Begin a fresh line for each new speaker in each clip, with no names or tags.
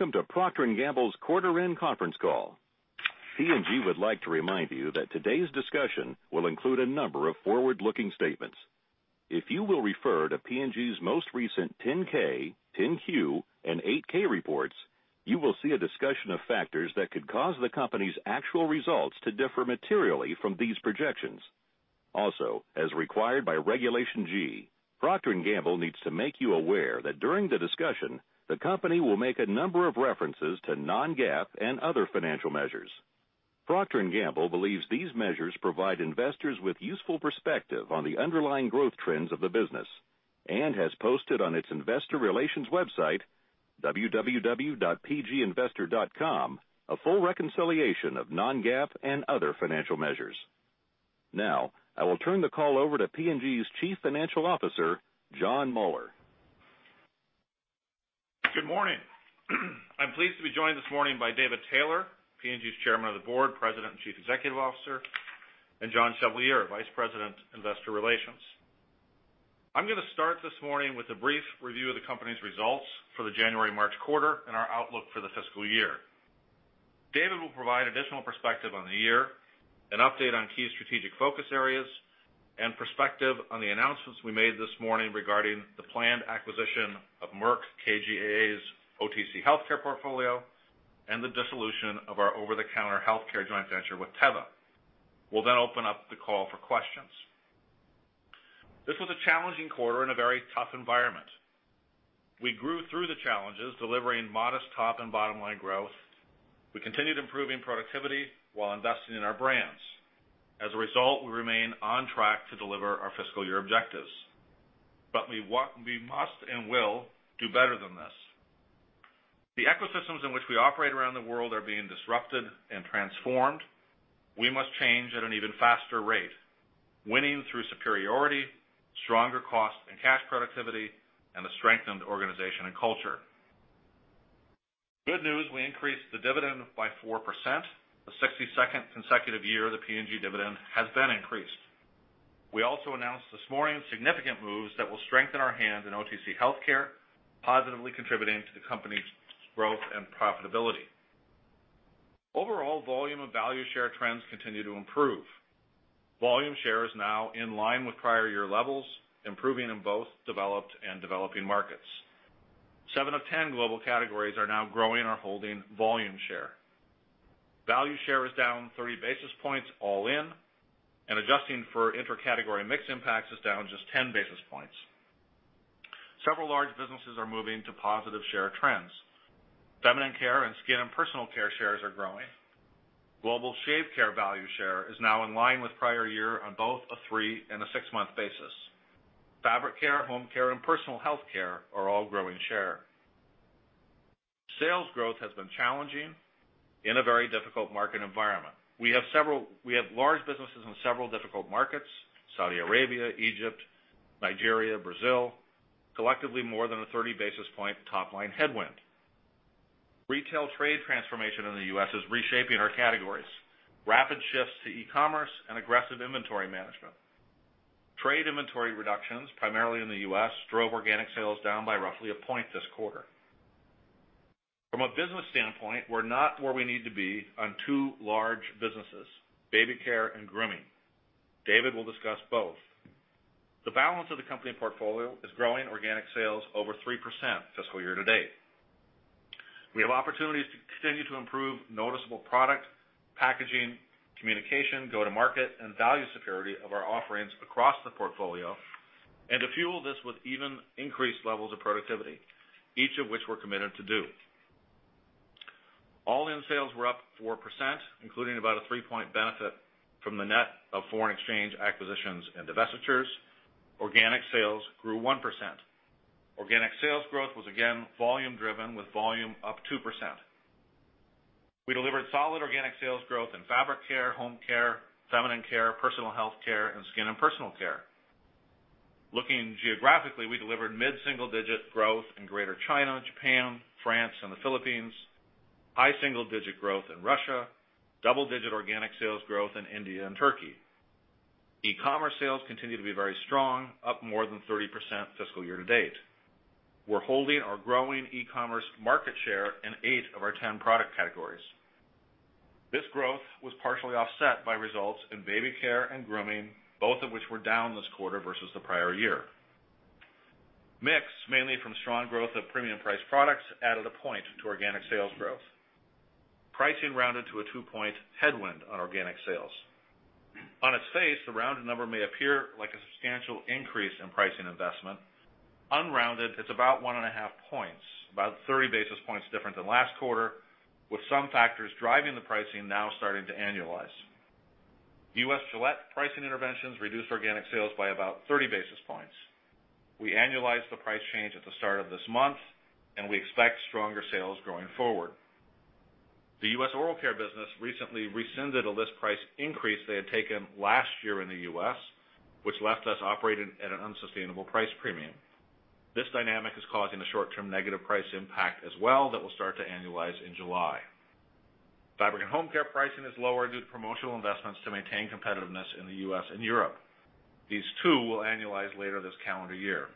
Good morning, and welcome to Procter & Gamble's quarter-end conference call. P&G would like to remind you that today's discussion will include a number of forward-looking statements. If you will refer to P&G's most recent 10-K, 10-Q, and 8-K reports, you will see a discussion of factors that could cause the company's actual results to differ materially from these projections. Also, as required by Regulation G, Procter & Gamble needs to make you aware that during the discussion, the company will make a number of references to non-GAAP and other financial measures. Procter & Gamble believes these measures provide investors with useful perspective on the underlying growth trends of the business, and has posted on its investor relations website, www.pginvestor.com, a full reconciliation of non-GAAP and other financial measures. Now, I will turn the call over to P&G's Chief Financial Officer, Jon Moeller.
Good morning. I'm pleased to be joined this morning by David Taylor, P&G's Chairman of the Board, President, and Chief Executive Officer, and Jon Chevalier, Vice President, Investor Relations. I'm going to start this morning with a brief review of the company's results for the January-March quarter and our outlook for the fiscal year. David will provide additional perspective on the year, an update on key strategic focus areas, and perspective on the announcements we made this morning regarding the planned acquisition of Merck KGaA's OTC healthcare portfolio, and the dissolution of our over-the-counter healthcare joint venture with Teva. We'll open up the call for questions. This was a challenging quarter in a very tough environment. We grew through the challenges, delivering modest top and bottom-line growth. We continued improving productivity while investing in our brands. As a result, we remain on track to deliver our fiscal year objectives. We must and will do better than this. The ecosystems in which we operate around the world are being disrupted and transformed. We must change at an even faster rate, winning through superiority, stronger cost and cash productivity, and a strengthened organization and culture. Good news, we increased the dividend by 4%, the 62nd consecutive year the P&G dividend has been increased. We also announced this morning significant moves that will strengthen our hand in OTC healthcare, positively contributing to the company's growth and profitability. Overall volume and value share trends continue to improve. Volume share is now in line with prior year levels, improving in both developed and developing markets. Seven of 10 global categories are now growing or holding volume share. Value share is down 30 basis points all in, and adjusting for inter-category mix impacts is down just 10 basis points. Several large businesses are moving to positive share trends. Feminine care and skin and personal care shares are growing. Global shave care value share is now in line with prior year on both a three and a six-month basis. Fabric care, home care, and personal health care are all growing share. Sales growth has been challenging in a very difficult market environment. We have large businesses in several difficult markets, Saudi Arabia, Egypt, Nigeria, Brazil, collectively more than a 30 basis point top-line headwind. Retail trade transformation in the U.S. is reshaping our categories. Rapid shifts to e-commerce and aggressive inventory management. Trade inventory reductions, primarily in the U.S., drove organic sales down by roughly a point this quarter. From a business standpoint, we're not where we need to be on two large businesses, baby care and grooming. David will discuss both. The balance of the company portfolio is growing organic sales over 3% fiscal year to date. We have opportunities to continue to improve noticeable product, packaging, communication, go-to-market, and value superiority of our offerings across the portfolio, and to fuel this with even increased levels of productivity, each of which we're committed to do. All-in sales were up 4%, including about a 3-point benefit from the net of foreign exchange acquisitions and divestitures. Organic sales grew 1%. Organic sales growth was again volume driven with volume up 2%. We delivered solid organic sales growth in fabric care, home care, feminine care, personal health care, and skin and personal care. Looking geographically, we delivered mid-single-digit growth in Greater China, Japan, France, and the Philippines, high single-digit growth in Russia, double-digit organic sales growth in India and Turkey. E-commerce sales continue to be very strong, up more than 30% fiscal year to date. We're holding our growing e-commerce market share in 8 of our 10 product categories. This growth was partially offset by results in baby care and grooming, both of which were down this quarter versus the prior year. Mix, mainly from strong growth of premium price products, added 1 point to organic sales growth. Pricing rounded to a 2-point headwind on organic sales. On its face, the rounded number may appear like a substantial increase in pricing investment. Unrounded, it's about 1.5 points, about 30 basis points different than last quarter, with some factors driving the pricing now starting to annualize. U.S. Gillette pricing interventions reduced organic sales by about 30 basis points. We annualized the price change at the start of this month, and we expect stronger sales going forward. The U.S. oral care business recently rescinded a list price increase they had taken last year in the U.S., which left us operating at an unsustainable price premium. This dynamic is causing a short-term negative price impact as well that will start to annualize in July. Fabric and Home Care pricing is lower due to promotional investments to maintain competitiveness in the U.S. and Europe. These 2 will annualize later this calendar year.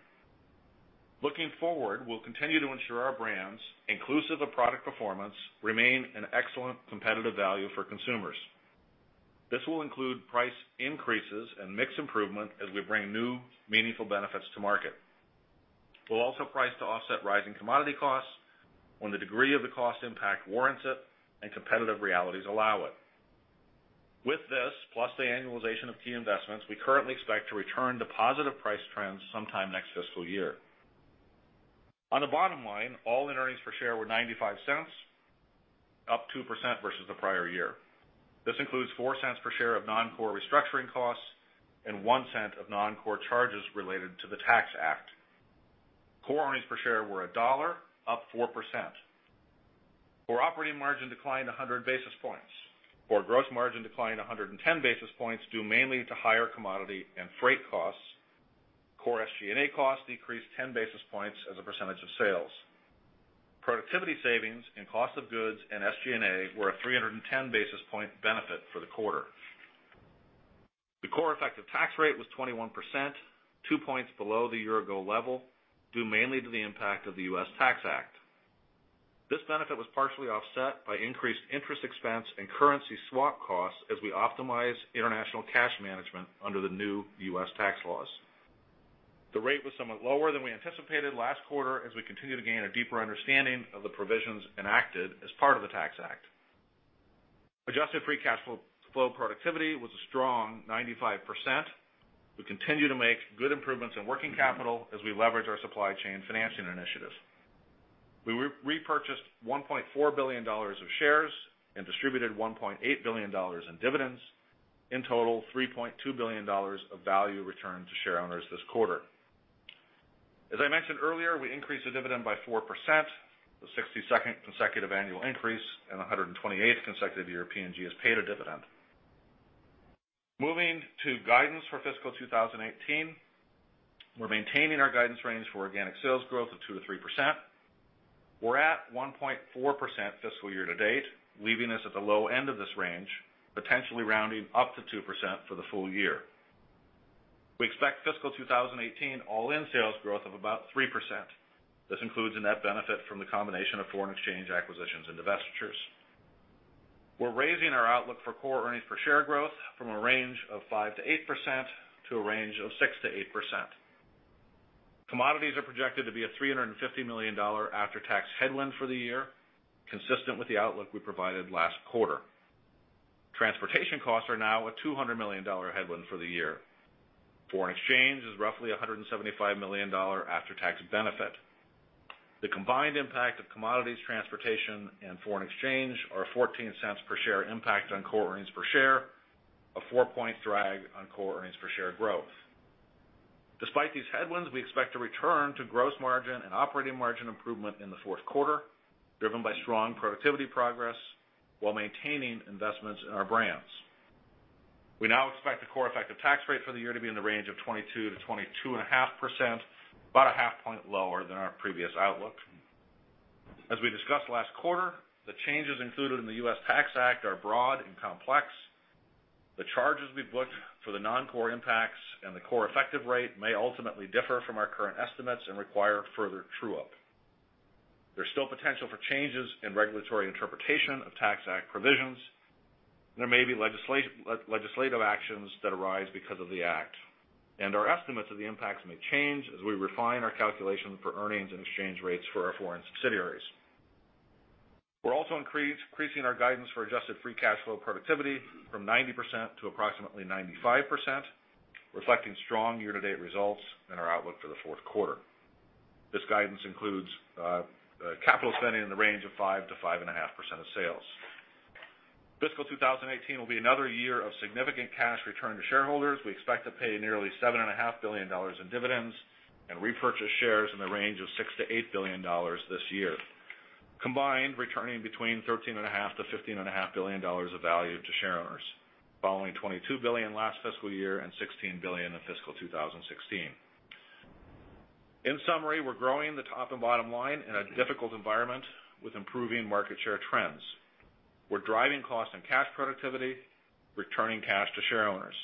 Looking forward, we'll continue to ensure our brands, inclusive of product performance, remain an excellent competitive value for consumers. This will include price increases and mix improvement as we bring new meaningful benefits to market. We'll also price to offset rising commodity costs when the degree of the cost impact warrants it and competitive realities allow it. With this, plus the annualization of key investments, we currently expect to return to positive price trends sometime next fiscal year. On the bottom line, all-in earnings per share were $0.95, up 2% versus the prior year. This includes $0.04 per share of non-core restructuring costs and $0.01 of non-core charges related to the Tax Act. Core earnings per share were $1, up 4%. Core operating margin declined 100 basis points. Core gross margin declined 110 basis points, due mainly to higher commodity and freight costs. Core SG&A costs decreased 10 basis points as a percentage of sales. Productivity savings and cost of goods and SG&A were a 310 basis point benefit for the quarter. The core effective tax rate was 21%, 2 points below the year-ago level, due mainly to the impact of the U.S. Tax Act. This benefit was partially offset by increased interest expense and currency swap costs as we optimized international cash management under the new U.S. tax laws. The rate was somewhat lower than we anticipated last quarter as we continue to gain a deeper understanding of the provisions enacted as part of the Tax Act. Adjusted free cash flow productivity was a strong 95%. We continue to make good improvements in working capital as we leverage our supply chain financing initiatives. We repurchased $1.4 billion of shares and distributed $1.8 billion in dividends, in total, $3.2 billion of value returned to shareowners this quarter. As I mentioned earlier, we increased the dividend by 4%, the 62nd consecutive annual increase, and the 128th consecutive year P&G has paid a dividend. Moving to guidance for fiscal 2018, we're maintaining our guidance range for organic sales growth of 2%-3%. We're at 1.4% fiscal year to date, leaving us at the low end of this range, potentially rounding up to 2% for the full year. We expect fiscal 2018 all-in sales growth of about 3%. This includes a net benefit from the combination of foreign exchange acquisitions and divestitures. We're raising our outlook for core earnings per share growth from a range of 5%-8% to a range of 6%-8%. Commodities are projected to be a $350 million after-tax headwind for the year, consistent with the outlook we provided last quarter. Transportation costs are now a $200 million headwind for the year. Foreign exchange is roughly $175 million after-tax benefit. The combined impact of commodities, transportation, and foreign exchange are $0.14 per share impact on core earnings per share, a four-point drag on core earnings per share growth. Despite these headwinds, we expect to return to gross margin and operating margin improvement in the fourth quarter, driven by strong productivity progress while maintaining investments in our brands. We now expect the core effective tax rate for the year to be in the range of 22%-22.5%, about a half point lower than our previous outlook. As we discussed last quarter, the changes included in the U.S. Tax Act are broad and complex. The charges we booked for the non-core impacts and the core effective rate may ultimately differ from our current estimates and require further true-up. There's still potential for changes in regulatory interpretation of Tax Act provisions. There may be legislative actions that arise because of the act, and our estimates of the impacts may change as we refine our calculation for earnings and exchange rates for our foreign subsidiaries. We're also increasing our guidance for adjusted free cash flow productivity from 90% to approximately 95%, reflecting strong year-to-date results and our outlook for the fourth quarter. This guidance includes capital spending in the range of 5%-5.5% of sales. Fiscal 2018 will be another year of significant cash returned to shareholders. We expect to pay nearly $7.5 billion in dividends and repurchase shares in the range of $6 billion-$8 billion this year. Combined, returning between $13.5 billion-$15.5 billion of value to shareowners, following $22 billion last fiscal year and $16 billion in fiscal 2016. In summary, we're growing the top and bottom line in a difficult environment with improving market share trends. We're driving cost and cash productivity, returning cash to shareowners,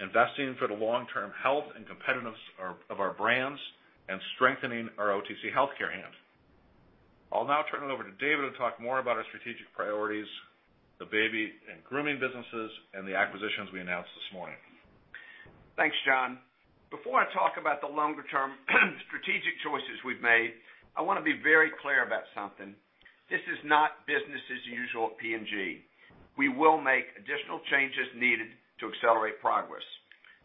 investing for the long-term health and competitiveness of our brands, and strengthening our OTC healthcare hand. I'll now turn it over to David to talk more about our strategic priorities, the baby and grooming businesses, and the acquisitions we announced this morning.
Thanks, Jon. Before I talk about the longer-term strategic choices we've made, I want to be very clear about something. This is not business as usual at P&G. We will make additional changes needed to accelerate progress.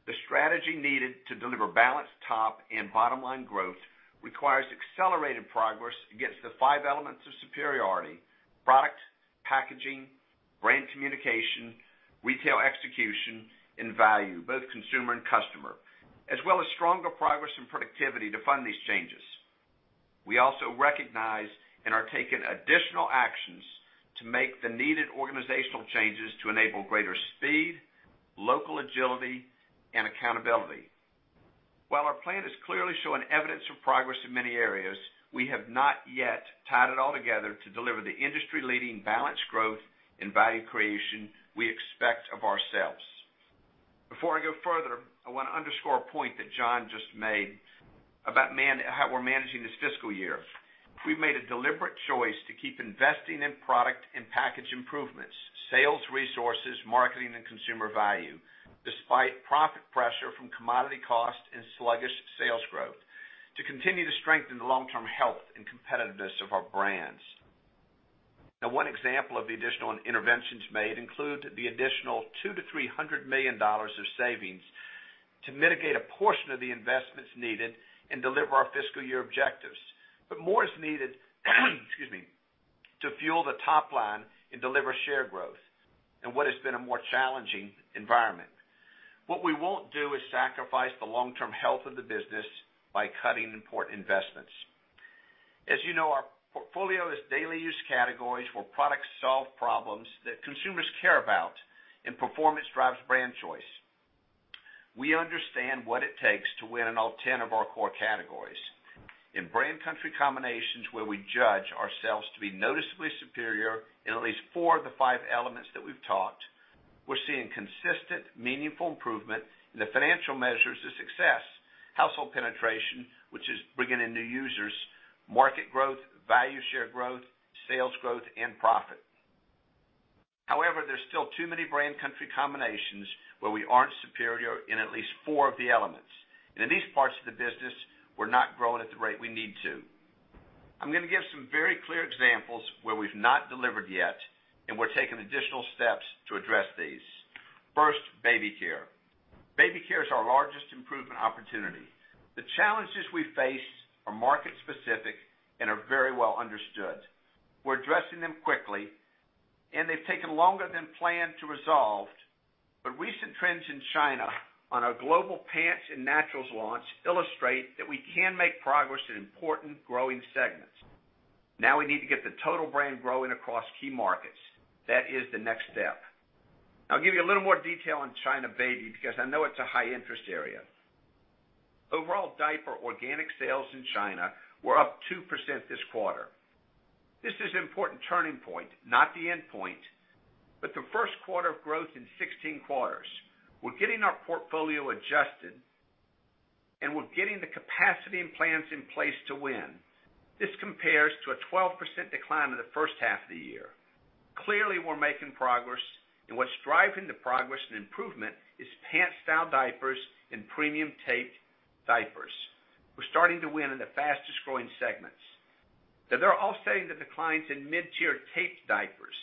The strategy needed to deliver balanced top-line and bottom-line growth requires accelerated progress against the five elements of superiority, product, packaging, brand communication, retail execution, and value, both consumer and customer, as well as stronger progress in productivity to fund these changes. We also recognize and are taking additional actions to make the needed organizational changes to enable greater speed, local agility, and accountability. While our plan is clearly showing evidence of progress in many areas, we have not yet tied it all together to deliver the industry-leading balanced growth and value creation we expect of ourselves. Before I go further, I want to underscore a point that Jon just made about how we're managing this fiscal year. We've made a deliberate choice to keep investing in product and package improvements, sales resources, marketing and consumer value, despite profit pressure from commodity cost and sluggish sales growth, to continue to strengthen the long-term health and competitiveness of our brands. One example of the additional interventions made include the additional $200 million to $300 million of savings to mitigate a portion of the investments needed and deliver our fiscal year objectives. More is needed, excuse me, to fuel the top-line and deliver share growth in what has been a more challenging environment. What we won't do is sacrifice the long-term health of the business by cutting important investments. As you know, our portfolio is daily use categories where products solve problems that consumers care about and performance drives brand choice. We understand what it takes to win in all 10 of our core categories. In brand country combinations where we judge ourselves to be noticeably superior in at least four of the five elements that we've talked, we're seeing consistent, meaningful improvement in the financial measures of success, household penetration, which is bringing in new users, market growth, value share growth, sales growth, and profit. However, there's still too many brand country combinations where we aren't superior in at least four of the elements. In these parts of the business, we're not growing at the rate we need to. I'm going to give some very clear examples where we've not delivered yet, and we're taking additional steps to address these. First, Baby Care. Baby Care is our largest improvement opportunity. The challenges we face are market specific and are very well understood. We're addressing them quickly. They've taken longer than planned to resolve, recent trends in China on our global pants and naturals launch illustrate that we can make progress in important growing segments. Now we need to get the total brand growing across key markets. That is the next step. I'll give you a little more detail on China Baby because I know it's a high-interest area. Overall diaper organic sales in China were up 2% this quarter. This is an important turning point, not the end point, but the first quarter of growth in 16 quarters. We're getting our portfolio adjusted, and we're getting the capacity and plans in place to win. This compares to a 12% decline in the first half of the year. Clearly, we're making progress. What's driving the progress and improvement is pants-style diapers and premium taped diapers. We're starting to win in the fastest-growing segments. They're offsetting the declines in mid-tier taped diapers.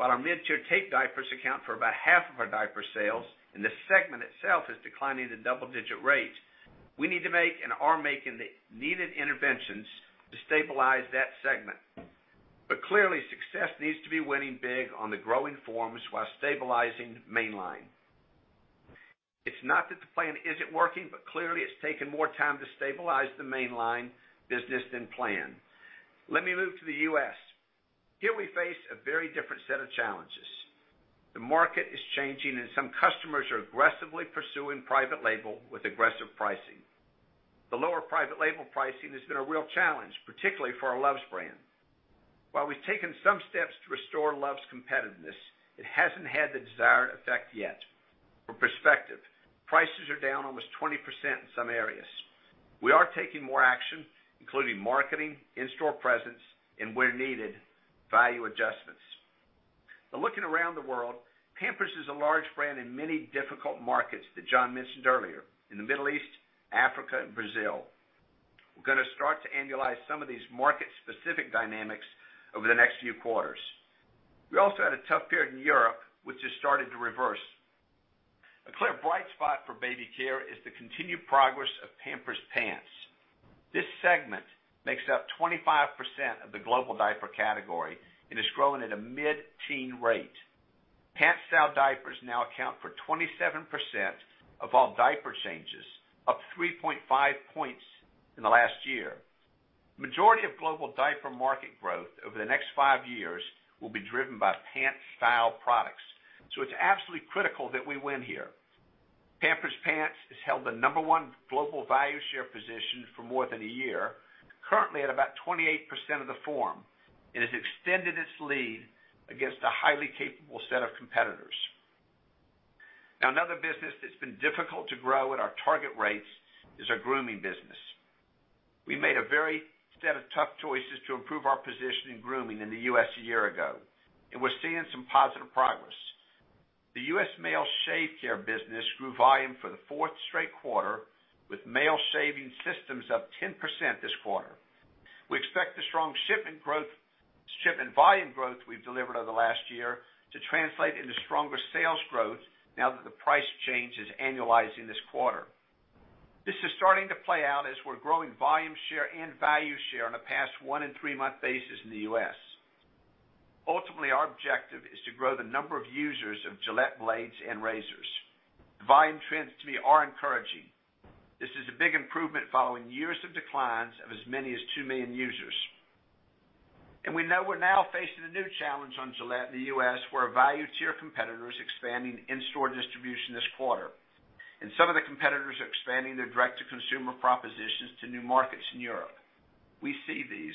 While our mid-tier taped diapers account for about half of our diaper sales and the segment itself is declining at a double-digit rate, we need to make and are making the needed interventions to stabilize that segment. Clearly success needs to be winning big on the growing forms while stabilizing mainline. It's not that the plan isn't working, clearly it's taken more time to stabilize the mainline business than planned. Let me move to the U.S. Here we face a very different set of challenges. The market is changing and some customers are aggressively pursuing private label with aggressive pricing. The lower private label pricing has been a real challenge, particularly for our Luvs brand. While we've taken some steps to restore Luvs' competitiveness, it hasn't had the desired effect yet. For perspective, prices are down almost 20% in some areas. We are taking more action, including marketing, in-store presence, and where needed, value adjustments. Looking around the world, Pampers is a large brand in many difficult markets that Jon mentioned earlier, in the Middle East, Africa, and Brazil. We're going to start to annualize some of these market-specific dynamics over the next few quarters. We also had a tough period in Europe, which has started to reverse. A clear bright spot for Baby Care is the continued progress of Pampers pants. This segment makes up 25% of the global diaper category and is growing at a mid-teen rate. Pants-style diapers now account for 27% of all diaper changes, up 3.5 points in the last year. Majority of global diaper market growth over the next five years will be driven by pants-style products. It's absolutely critical that we win here. Pampers pants has held the number 1 global value share position for more than a year, currently at about 28% of the form, and has extended its lead against a highly capable set of competitors. Another business that's been difficult to grow at our target rates is our grooming business. We made a very set of tough choices to improve our position in grooming in the U.S. a year ago. We're seeing some positive progress. The U.S. male shave care business grew volume for the fourth straight quarter with male shaving systems up 10% this quarter. We expect the strong shipment volume growth we've delivered over the last year to translate into stronger sales growth now that the price change is annualizing this quarter. This is starting to play out as we're growing volume share and value share on a past one and three-month basis in the U.S. Ultimately, our objective is to grow the number of users of Gillette blades and razors. The volume trends to me are encouraging. This is a big improvement following years of declines of as many as two million users. We know we're now facing a new challenge on Gillette in the U.S., where a value tier competitor is expanding in-store distribution this quarter. Some of the competitors are expanding their direct-to-consumer propositions to new markets in Europe. We see these.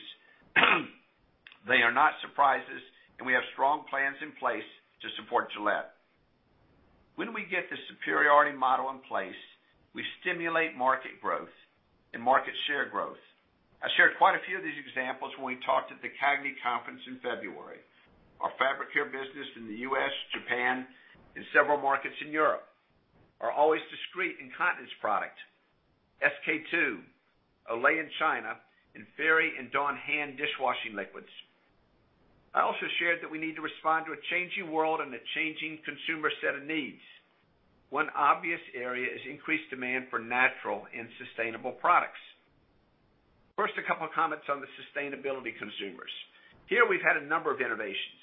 They are not surprises, and we have strong plans in place to support Gillette. When we get the superiority model in place, we stimulate market growth and market share growth. I shared quite a few of these examples when we talked at the CAGNY conference in February. Our Fabric Care business in the U.S., Japan, and several markets in Europe. Our Always Discreet incontinence product, SK-II, Olay in China, and Fairy and Dawn hand dishwashing liquids. I also shared that we need to respond to a changing world and a changing consumer set of needs. One obvious area is increased demand for natural and sustainable products. First, a couple of comments on the sustainability consumers. Here, we've had a number of innovations.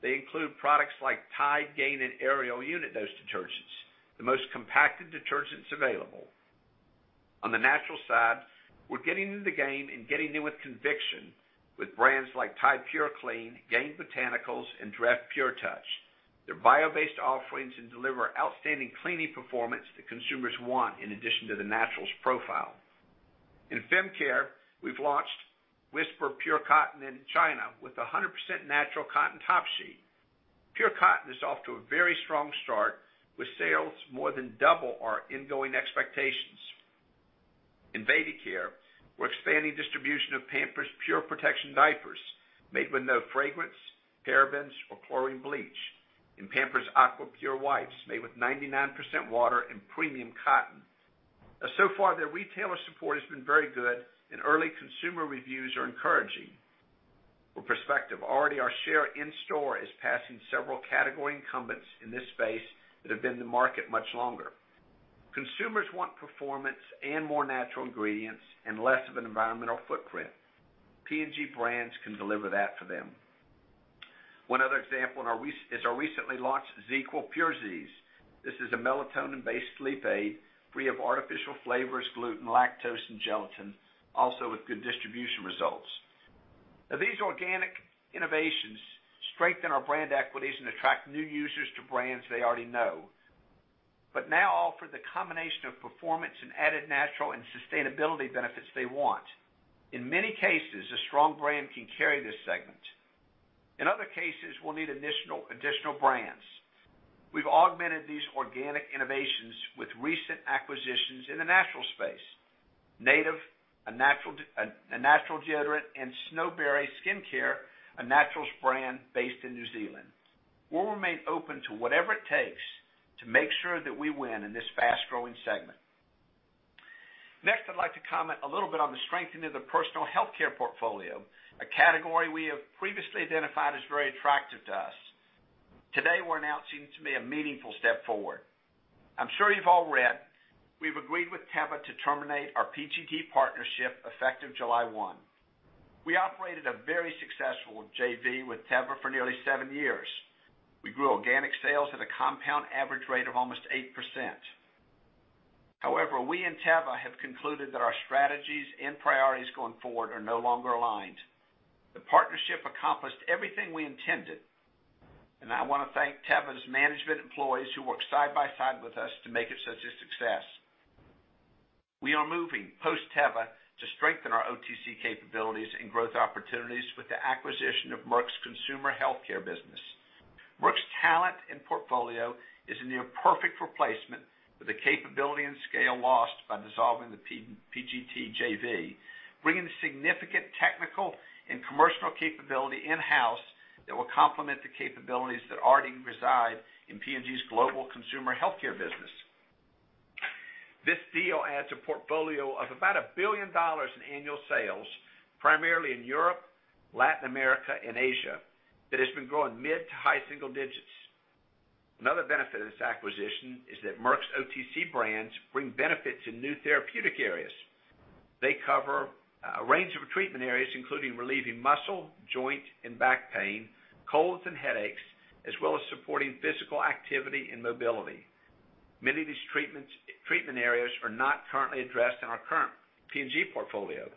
They include products like Tide, Gain, and Ariel unit dose detergents, the most compacted detergents available. On the natural side, we're getting in the game and getting in with conviction with brands like Tide purclean, Gain Botanicals, and Dreft Pure Gentleness. They're bio-based offerings and deliver outstanding cleaning performance that consumers want in addition to the naturals profile. In Fem Care, we've launched Whisper Pure Cotton in China with 100% natural cotton top sheet. Pure Cotton is off to a very strong start with sales more than double our ingoing expectations. In Baby Care, we're expanding distribution of Pampers Pure Protection diapers, made with no fragrance, parabens, or chlorine bleach, and Pampers Aqua Pure wipes, made with 99% water and premium cotton. So far, their retailer support has been very good and early consumer reviews are encouraging. For perspective, already our share in store is passing several category incumbents in this space that have been in the market much longer. Consumers want performance and more natural ingredients and less of an environmental footprint. P&G brands can deliver that for them. One other example is our recently launched ZzzQuil PURE Zzzs. This is a melatonin-based sleep aid free of artificial flavors, gluten, lactose, and gelatin, also with good distribution results. These organic innovations strengthen our brand equities and attract new users to brands they already know, but now offer the combination of performance and added natural and sustainability benefits they want. In many cases, a strong brand can carry this segment. In other cases, we'll need additional brands. We've augmented these organic innovations with recent acquisitions in the natural space. Native, a natural deodorant, and Snowberry skincare, a naturals brand based in New Zealand. We'll remain open to whatever it takes to make sure that we win in this fast-growing segment. I'd like to comment a little bit on the strengthening of the personal healthcare portfolio, a category we have previously identified as very attractive to us. Today, we're announcing to be a meaningful step forward. I'm sure you've all read, we've agreed with Teva to terminate our PGT partnership effective July 1. We operated a very successful JV with Teva for nearly seven years. We grew organic sales at a compound average rate of almost 8%. We and Teva have concluded that our strategies and priorities going forward are no longer aligned. The partnership accomplished everything we intended. I want to thank Teva's management employees who worked side by side with us to make it such a success. We are moving post-Teva to strengthen our OTC capabilities and growth opportunities with the acquisition of Merck's Consumer Healthcare business. Merck's talent and portfolio is a near perfect replacement for the capability and scale lost by dissolving the PGT JV, bringing significant technical and commercial capability in-house that will complement the capabilities that already reside in P&G's global Consumer Healthcare business. This deal adds a portfolio of about $1 billion in annual sales, primarily in Europe, Latin America, and Asia, that has been growing mid to high single digits. Another benefit of this acquisition is that Merck's OTC brands bring benefits in new therapeutic areas. They cover a range of treatment areas, including relieving muscle, joint, and back pain, colds and headaches, as well as supporting physical activity and mobility. Many of these treatment areas are not currently addressed in our current P&G portfolio.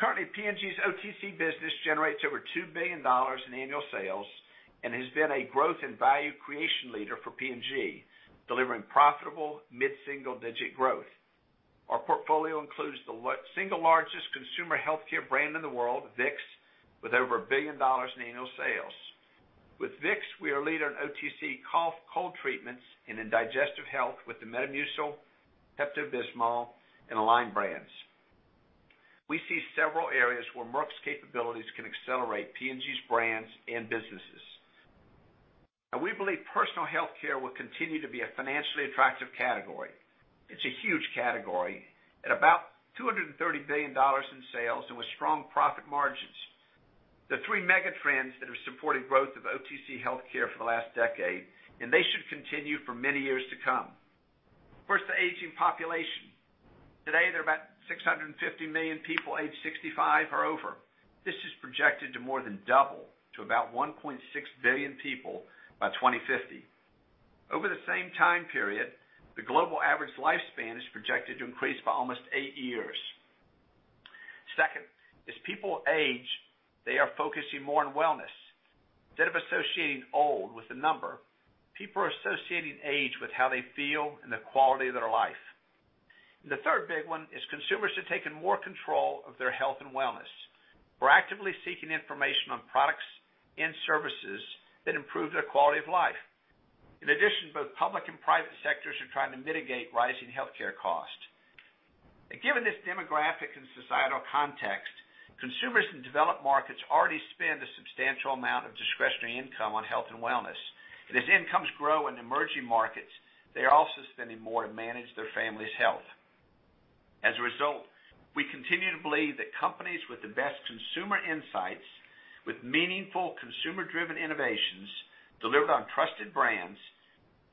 Currently, P&G's OTC business generates over $2 billion in annual sales and has been a growth and value creation leader for P&G, delivering profitable mid-single-digit growth. Our portfolio includes the single largest consumer healthcare brand in the world, Vicks, with over $1 billion in annual sales. With Vicks, we are a leader in OTC cough, cold treatments, and in digestive health with the Metamucil, Pepto-Bismol, and Align brands. We see several areas where Merck's capabilities can accelerate P&G's brands and businesses. We believe personal healthcare will continue to be a financially attractive category. It's a huge category at about $230 billion in sales and with strong profit margins. The three mega trends that have supported growth of OTC healthcare for the last decade. They should continue for many years to come. First, the aging population. Today, there are about 650 million people aged 65 or over. This is projected to more than double to about 1.6 billion people by 2050. Over the same time period, the global average lifespan is projected to increase by almost eight years. Second, as people age, they are focusing more on wellness. Instead of associating old with a number, people are associating age with how they feel and the quality of their life. The third big one is consumers are taking more control of their health and wellness. We're actively seeking information on products and services that improve their quality of life. In addition, both public and private sectors are trying to mitigate rising healthcare costs. Given this demographic and societal context, consumers in developed markets already spend a substantial amount of discretionary income on health and wellness. As incomes grow in emerging markets, they are also spending more to manage their family's health. As a result, we continue to believe that companies with the best consumer insights, with meaningful consumer-driven innovations delivered on trusted brands,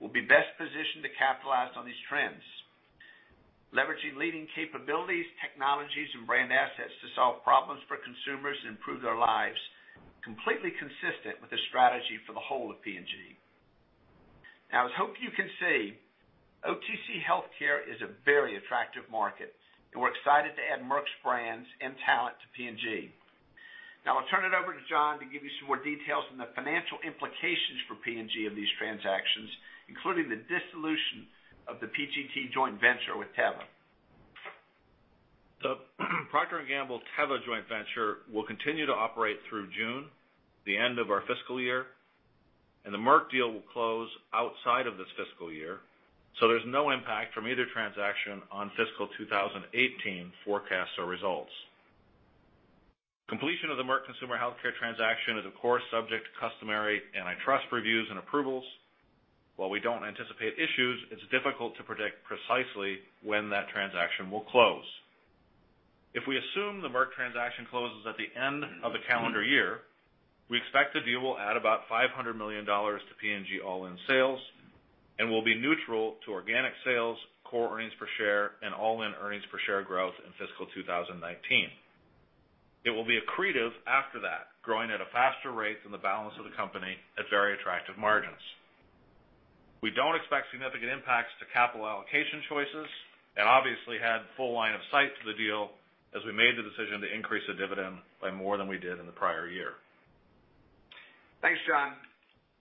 will be best positioned to capitalize on these trends. Leveraging leading capabilities, technologies, and brand assets to solve problems for consumers and improve their lives, completely consistent with the strategy for the whole of P&G. As I hope you can see, OTC Healthcare is a very attractive market, and we're excited to add Merck's brands and talent to P&G. I'll turn it over to Jon to give you some more details on the financial implications for P&G of these transactions, including the dissolution of the PGT joint venture with Teva.
The Procter & Gamble/Teva joint venture will continue to operate through June, the end of our fiscal year, and the Merck deal will close outside of this fiscal year, there's no impact from either transaction on fiscal 2018 forecasts or results. Completion of the Merck Consumer Healthcare transaction is, of course, subject to customary antitrust reviews and approvals. While we don't anticipate issues, it's difficult to predict precisely when that transaction will close. If we assume the Merck transaction closes at the end of the calendar year, we expect the deal will add about $500 million to P&G all-in sales and will be neutral to organic sales, core earnings per share, and all-in earnings per share growth in fiscal 2019. It will be accretive after that, growing at a faster rate than the balance of the company at very attractive margins. We don't expect significant impacts to capital allocation choices obviously had full line of sight to the deal as we made the decision to increase the dividend by more than we did in the prior year.
Thanks, Jon.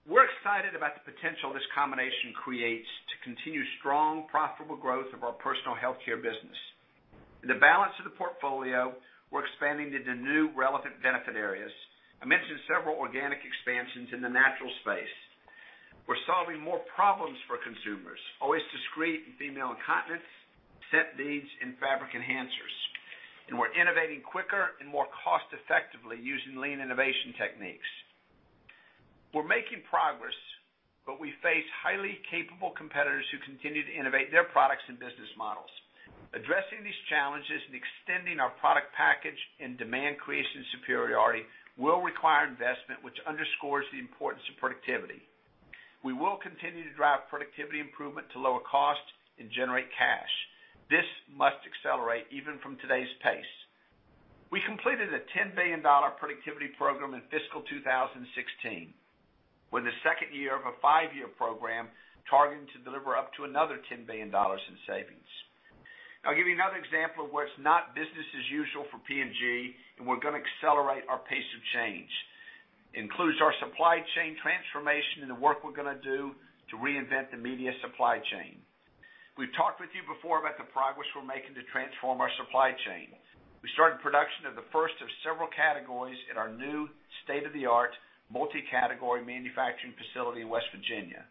We're excited about the potential this combination creates to continue strong profitable growth of our personal healthcare business. In the balance of the portfolio, we're expanding into new relevant benefit areas. I mentioned several organic expansions in the natural space. We're solving more problems for consumers, Always Discreet in female incontinence, scent beads in fabric enhancers, we're innovating quicker and more cost effectively using lean innovation techniques. We're making progress, we face highly capable competitors who continue to innovate their products and business models. Addressing these challenges and extending our product package and demand creation superiority will require investment, which underscores the importance of productivity. We will continue to drive productivity improvement to lower cost and generate cash. This must accelerate even from today's pace. We completed a $10 billion productivity program in fiscal 2016. We're in the second year of a five-year program targeting to deliver up to another $10 billion in savings. I'll give you another example of where it's not business as usual for P&G. We're going to accelerate our pace of change. Includes our supply chain transformation and the work we're going to do to reinvent the media supply chain. We've talked with you before about the progress we're making to transform our supply chain. We started production of the first of several categories in our new state-of-the-art multi-category manufacturing facility in West Virginia.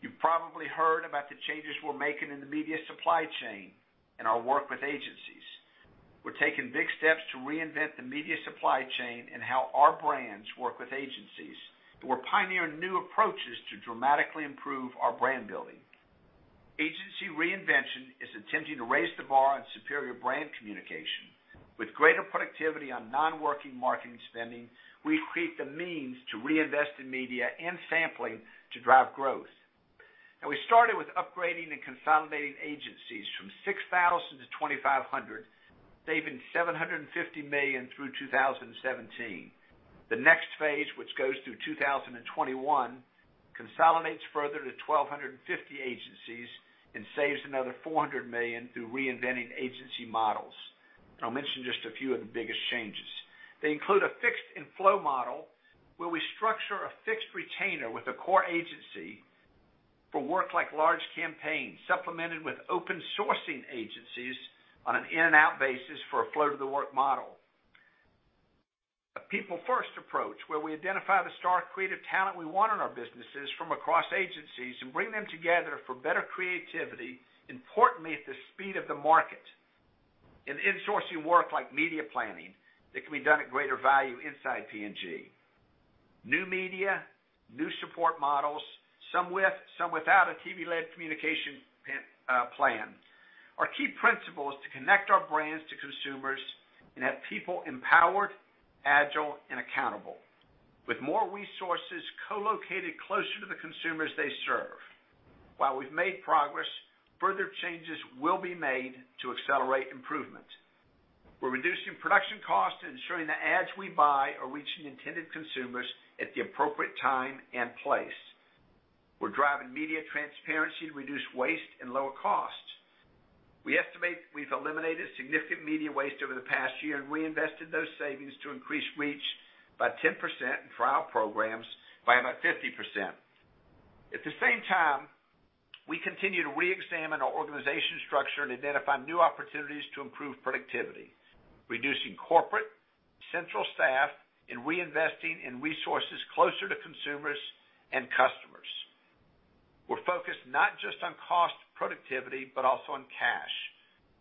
You've probably heard about the changes we're making in the media supply chain and our work with agencies. We're taking big steps to reinvent the media supply chain and how our brands work with agencies. We're pioneering new approaches to dramatically improve our brand building. Agency reinvention is intending to raise the bar on superior brand communication. With greater productivity on non-working marketing spending, we create the means to reinvest in media and sampling to drive growth. We started with upgrading and consolidating agencies from 6,000 to 2,500, saving $750 million through 2017. The next phase, which goes through 2021, consolidates further to 1,250 agencies and saves another $400 million through reinventing agency models. I'll mention just a few of the biggest changes. They include a fixed and flow model where we structure a fixed retainer with a core agency for work like large campaigns, supplemented with open sourcing agencies on an in and out basis for a flow to the work model. A people first approach where we identify the star creative talent we want in our businesses from across agencies and bring them together for better creativity, importantly at the speed of the market. Insourcing work like media planning that can be done at greater value inside P&G. New media, new support models, some with, some without a TV-led communication plan. Our key principle is to connect our brands to consumers and have people empowered, agile, and accountable with more resources co-located closer to the consumers they serve. While we've made progress, further changes will be made to accelerate improvement. We're reducing production costs and ensuring the ads we buy are reaching intended consumers at the appropriate time and place. We're driving media transparency to reduce waste and lower costs. We estimate we've eliminated significant media waste over the past year and reinvested those savings to increase reach by 10% and trial programs by about 50%. At the same time, we continue to reexamine our organization structure and identify new opportunities to improve productivity, reducing corporate central staff and reinvesting in resources closer to consumers and customers. We're focused not just on cost productivity, but also on cash.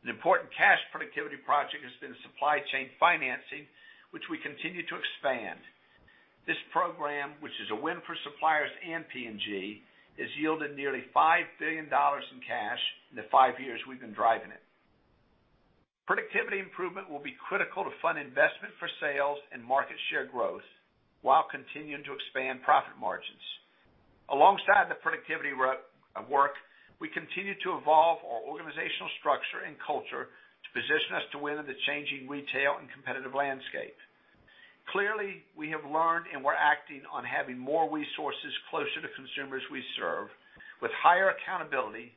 An important cash productivity project has been supply chain financing, which we continue to expand. This program, which is a win for suppliers and P&G, has yielded nearly $5 billion in cash in the five years we've been driving it. Productivity improvement will be critical to fund investment for sales and market share growth while continuing to expand profit margins. Alongside the productivity work, we continue to evolve our organizational structure and culture to position us to win in the changing retail and competitive landscape. Clearly, we have learned and we're acting on having more resources closer to consumers we serve with higher accountability,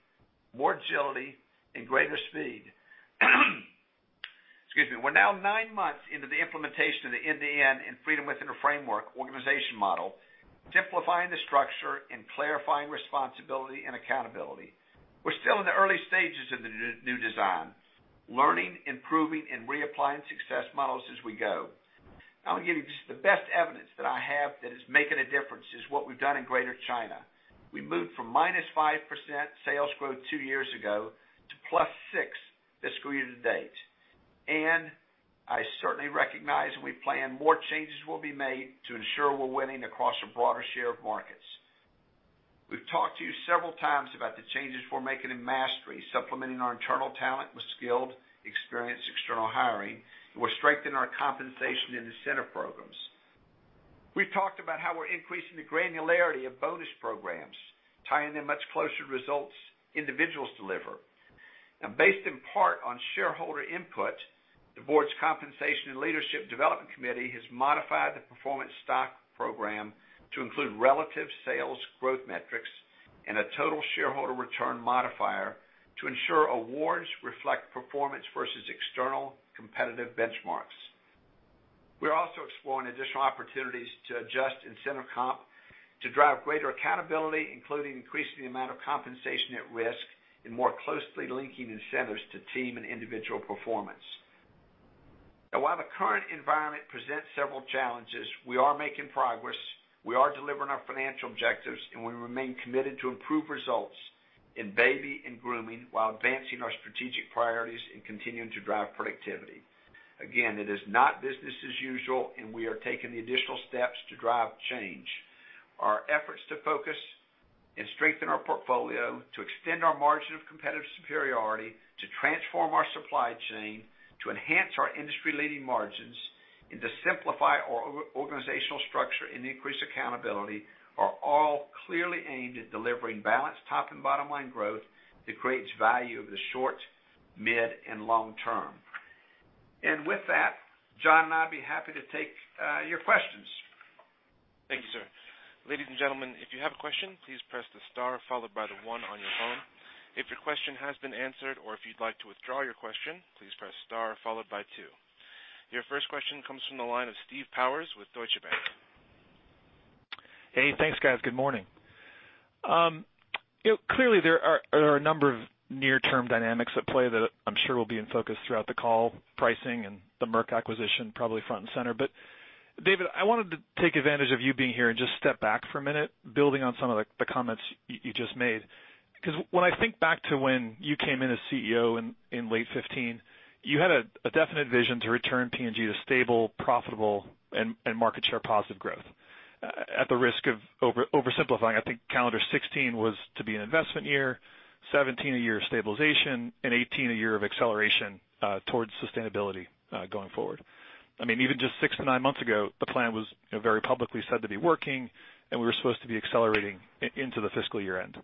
more agility, and greater speed. Excuse me. We're now nine months into the implementation of the End-to-End and Freedom within a Framework organization model, simplifying the structure and clarifying responsibility and accountability. We're still in the early stages of the new design, learning, improving, and reapplying success models as we go. I'm going to give you just the best evidence that I have that is making a difference is what we've done in Greater China. We moved from minus 5% sales growth two years ago to plus six this calendar year to date. I certainly recognize and we plan more changes will be made to ensure we're winning across a broader share of markets. We've talked to you several times about the changes we're making in mastery, supplementing our internal talent with skilled, experienced external hiring, and we're strengthening our compensation and incentive programs. We've talked about how we're increasing the granularity of bonus programs, tying them much closer to results individuals deliver. Based in part on shareholder input, the board's Compensation and Leadership Development Committee has modified the performance stock program to include relative sales growth metrics and a total shareholder return modifier to ensure awards reflect performance versus external competitive benchmarks. We're also exploring additional opportunities to adjust incentive comp to drive greater accountability, including increasing the amount of compensation at risk and more closely linking incentives to team and individual performance. While the current environment presents several challenges, we are making progress, we are delivering our financial objectives, and we remain committed to improve results in Baby and Grooming while advancing our strategic priorities and continuing to drive productivity. It is not business as usual, and we are taking the additional steps to drive change. Our efforts to focus and strengthen our portfolio, to extend our margin of competitive superiority, to transform our supply chain, to enhance our industry-leading margins, and to simplify our organizational structure and increase accountability are all clearly aimed at delivering balanced top and bottom-line growth that creates value over the short, mid, and long term. With that, Jon and I'll be happy to take your questions.
Thank you, sir. Ladies and gentlemen, if you have a question, please press the star followed by the one on your phone. If your question has been answered or if you'd like to withdraw your question, please press star followed by two. Your first question comes from the line of Steve Powers with Deutsche Bank.
Hey, thanks, guys. Good morning. Clearly there are a number of near-term dynamics at play that I'm sure will be in focus throughout the call, pricing and the Merck acquisition probably front and center. David, I wanted to take advantage of you being here and just step back for a minute, building on some of the comments you just made. When I think back to when you came in as CEO in late 2015, you had a definite vision to return P&G to stable, profitable, and market share positive growth. At the risk of oversimplifying, I think calendar 2016 was to be an investment year, 2017 a year of stabilization, and 2018 a year of acceleration towards sustainability going forward. Even just 6-9 months ago, the plan was very publicly said to be working, and we were supposed to be accelerating into the fiscal year-end.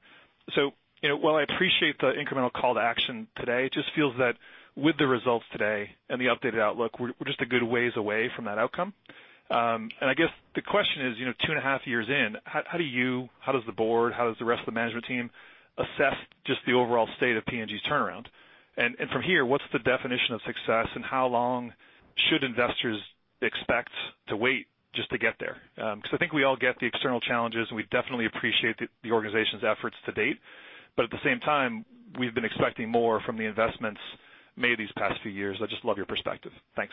While I appreciate the incremental call to action today, it just feels that with the results today and the updated outlook, we're just a good ways away from that outcome. I guess the question is, 2.5 years in, how do you, how does the board, how does the rest of the management team assess just the overall state of P&G's turnaround? From here, what's the definition of success and how long should investors expect to wait just to get there? I think we all get the external challenges, we definitely appreciate the organization's efforts to date. At the same time, we've been expecting more from the investments made these past few years. I'd just love your perspective. Thanks.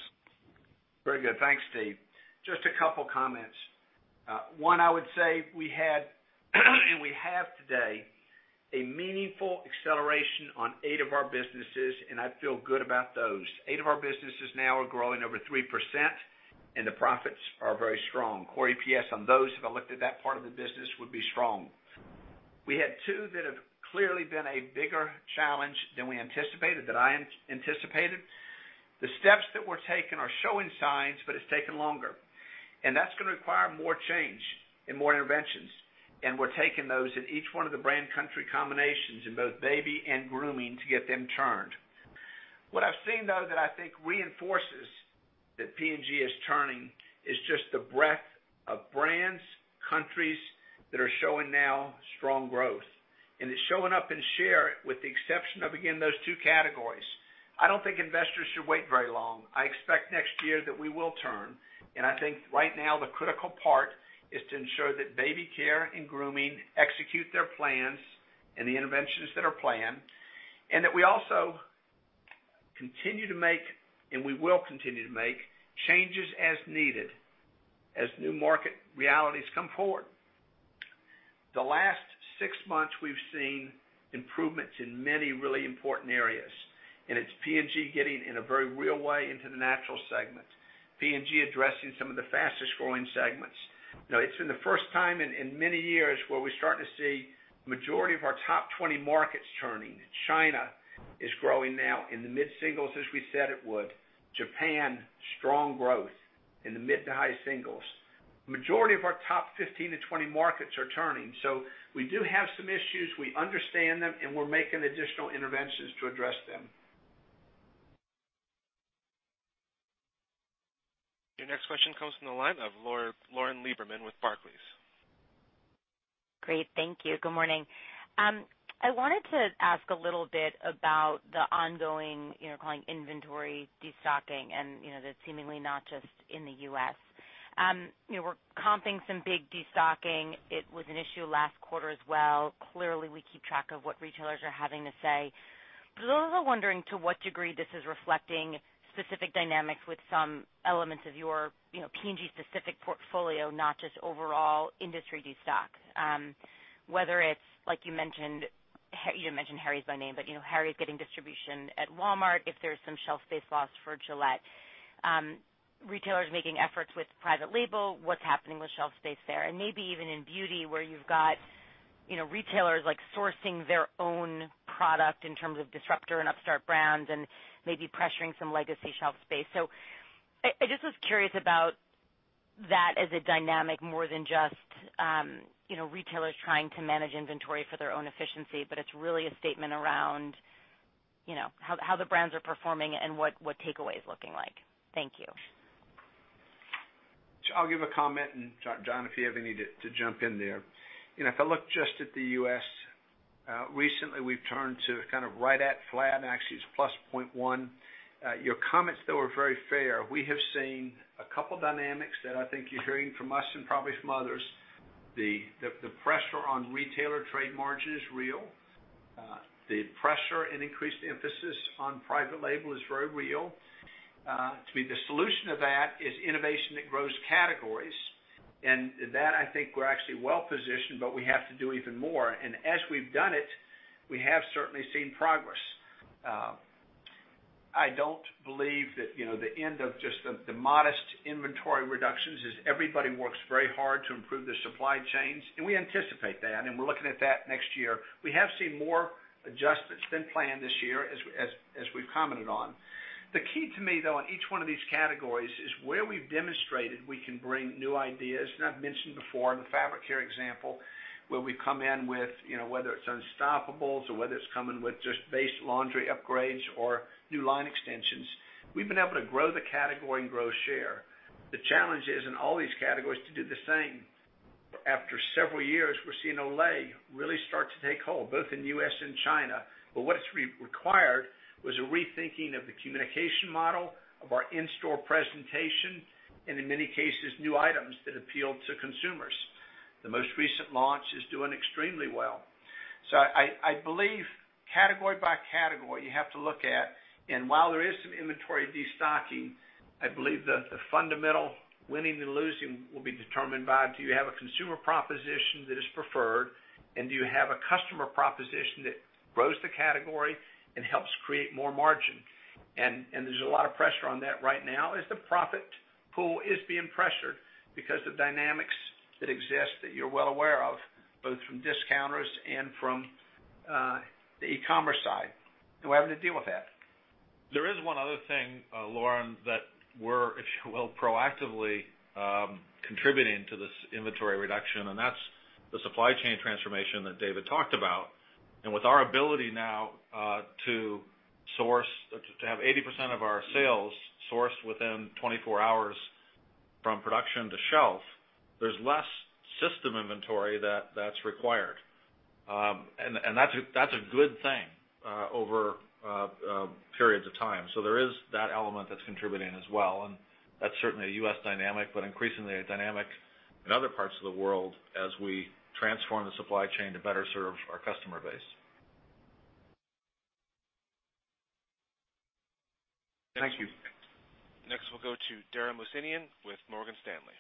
Very good. Thanks, Steve. Just 2 comments. 1, I would say we had, and we have today, a meaningful acceleration on 8 of our businesses, and I feel good about those. 8 of our businesses now are growing over 3%, and the profits are very strong. Core EPS on those, if I looked at that part of the business, would be strong. We had 2 that have clearly been a bigger challenge than we anticipated, that I anticipated. The steps that were taken are showing signs, it's taken longer. That's going to require more change and more interventions. We're taking those in each one of the brand country combinations in both baby and grooming to get them turned. What I've seen, though, that I think reinforces that P&G is turning is just the breadth of brands, countries that are showing now strong growth. It's showing up in share with the exception of, again, those 2 categories. I don't think investors should wait very long. I expect next year that we will turn, I think right now the critical part is to ensure that baby care and grooming execute their plans and the interventions that are planned, that we also continue to make, and we will continue to make, changes as needed as new market realities come forward. The last 6 months we've seen improvements in many really important areas, it's P&G getting, in a very real way, into the natural segment, P&G addressing some of the fastest-growing segments. It's been the first time in many years where we're starting to see majority of our top 20 markets turning. China is growing now in the mid-singles, as we said it would. Japan, strong growth in the mid to high singles. Majority of our top 15-20 markets are turning. We do have some issues. We understand them, and we're making additional interventions to address them.
Your next question comes from the line of Lauren Lieberman with Barclays.
Great, thank you. Good morning. I wanted to ask a little bit about the ongoing inventory destocking, and that's seemingly not just in the U.S. We're comping some big destocking. It was an issue last quarter as well. Clearly, we keep track of what retailers are having to say. I'm also wondering to what degree this is reflecting specific dynamics with some elements of your P&G specific portfolio, not just overall industry destock. Whether it's, you didn't mention Harry's by name, but Harry's getting distribution at Walmart, if there's some shelf space lost for Gillette. Retailers making efforts with private label, what's happening with shelf space there? Maybe even in beauty, where you've got retailers sourcing their own product in terms of disruptor and upstart brands, and maybe pressuring some legacy shelf space. I just was curious about that as a dynamic more than just retailers trying to manage inventory for their own efficiency, but it's really a statement around how the brands are performing and what takeaway is looking like. Thank you.
I'll give a comment and Jon, if you have any to jump in there. If I look just at the U.S., recently, we've turned to kind of right at flat. Actually, it's +0.1. Your comments, though, are very fair. We have seen a couple dynamics that I think you're hearing from us and probably from others. The pressure on retailer trade margin is real. The pressure and increased emphasis on private label is very real. To me, the solution to that is innovation that grows categories, and that I think we're actually well-positioned, but we have to do even more. As we've done it, we have certainly seen progress. I don't believe that the end of just the modest inventory reductions as everybody works very hard to improve their supply chains, and we anticipate that, and we're looking at that next year. We have seen more adjustments than planned this year as we've commented on. The key to me, though, on each one of these categories is where we've demonstrated we can bring new ideas, and I've mentioned before the fabric care example, where we come in with whether it's Unstopables or whether it's coming with just base laundry upgrades or new line extensions. We've been able to grow the category and grow share. The challenge is in all these categories to do the same. After several years, we're seeing Olay really start to take hold, both in the U.S. and China. What it's required was a rethinking of the communication model, of our in-store presentation, and in many cases, new items that appealed to consumers. The most recent launch is doing extremely well. I believe category by category, you have to look at, and while there is some inventory destocking, I believe the fundamental winning and losing will be determined by do you have a consumer proposition that is preferred, and do you have a customer proposition that grows the category and helps create more margin? There's a lot of pressure on that right now as the profit pool is being pressured because the dynamics that exist that you're well aware of, both from discounters and from the e-commerce side. We're having to deal with that.
There is one other thing, Lauren, that we're, if you will, proactively contributing to this inventory reduction, and that's the supply chain transformation that David talked about. With our ability now to have 80% of our sales sourced within 24 hours from production to shelf, there's less system inventory that's required. That's a good thing over periods of time. There is that element that's contributing as well, and that's certainly a U.S. dynamic, but increasingly a dynamic in other parts of the world as we transform the supply chain to better serve our customer base.
Thank you.
We'll go to Dara Mohsenian with Morgan Stanley.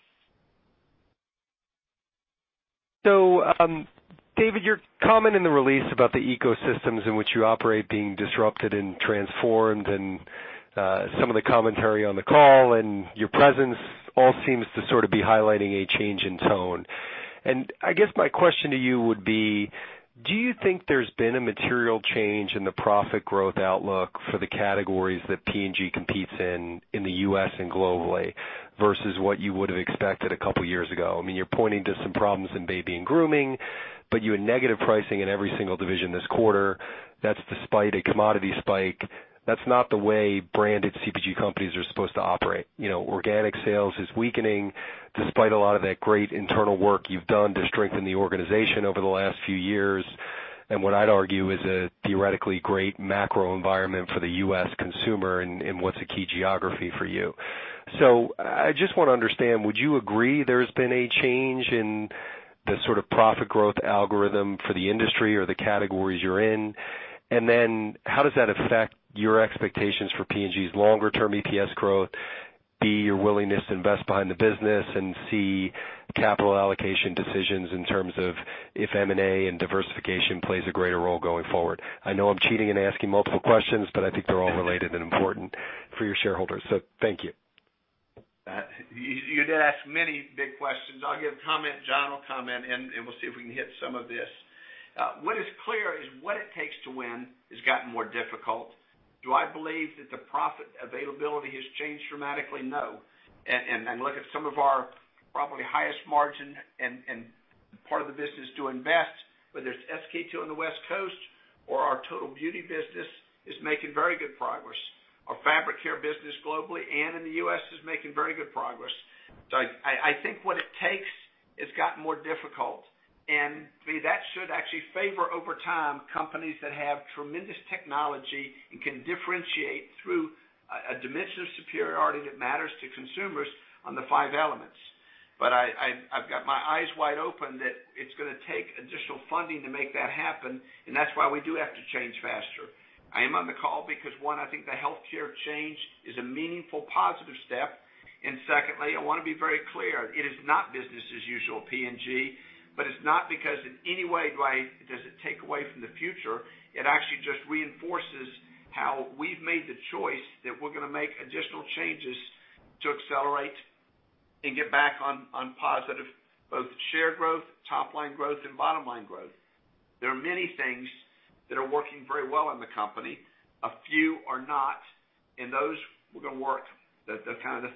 David, your comment in the release about the ecosystems in which you operate being disrupted and transformed, and some of the commentary on the call and your presence all seems to sort of be highlighting a change in tone. I guess my question to you would be Do you think there's been a material change in the profit growth outlook for the categories that P&G competes in the U.S. and globally, versus what you would have expected a couple of years ago? You're pointing to some problems in Baby and Grooming, but you had negative pricing in every single division this quarter. That's despite a commodity spike. That's not the way branded CPG companies are supposed to operate. Organic sales is weakening despite a lot of that great internal work you've done to strengthen the organization over the last few years, and what I'd argue is a theoretically great macro environment for the U.S. consumer in what's a key geography for you. I just want to understand, would you agree there's been a change in the sort of profit growth algorithm for the industry or the categories you're in? Then how does that affect your expectations for P&G's longer-term EPS growth, B, your willingness to invest behind the business, and C, capital allocation decisions in terms of if M&A and diversification plays a greater role going forward? I know I'm cheating and asking multiple questions, but I think they're all related and important for your shareholders. Thank you.
You did ask many big questions. I'll give comment, Jon will comment, and we'll see if we can hit some of this. What is clear is what it takes to win has gotten more difficult. Do I believe that the profit availability has changed dramatically? No. Look at some of our probably highest margin and part of the business doing best, whether it's SK-II on the West Coast or our total beauty business, is making very good progress. Our fabric care business globally and in the U.S. is making very good progress. I think what it takes has gotten more difficult, and that should actually favor over time companies that have tremendous technology and can differentiate through a dimension of superiority that matters to consumers on the five elements. I've got my eyes wide open that it's going to take additional funding to make that happen, and that's why we do have to change faster. I am on the call because, one, I think the healthcare change is a meaningful positive step, and secondly, I want to be very clear, it is not business as usual P&G, but it's not because in any way, does it take away from the future. It actually just reinforces how we've made the choice that we're going to make additional changes to accelerate and get back on positive, both share growth, top-line growth, and bottom-line growth. There are many things that are working very well in the company. A few are not. Those we're going to work. The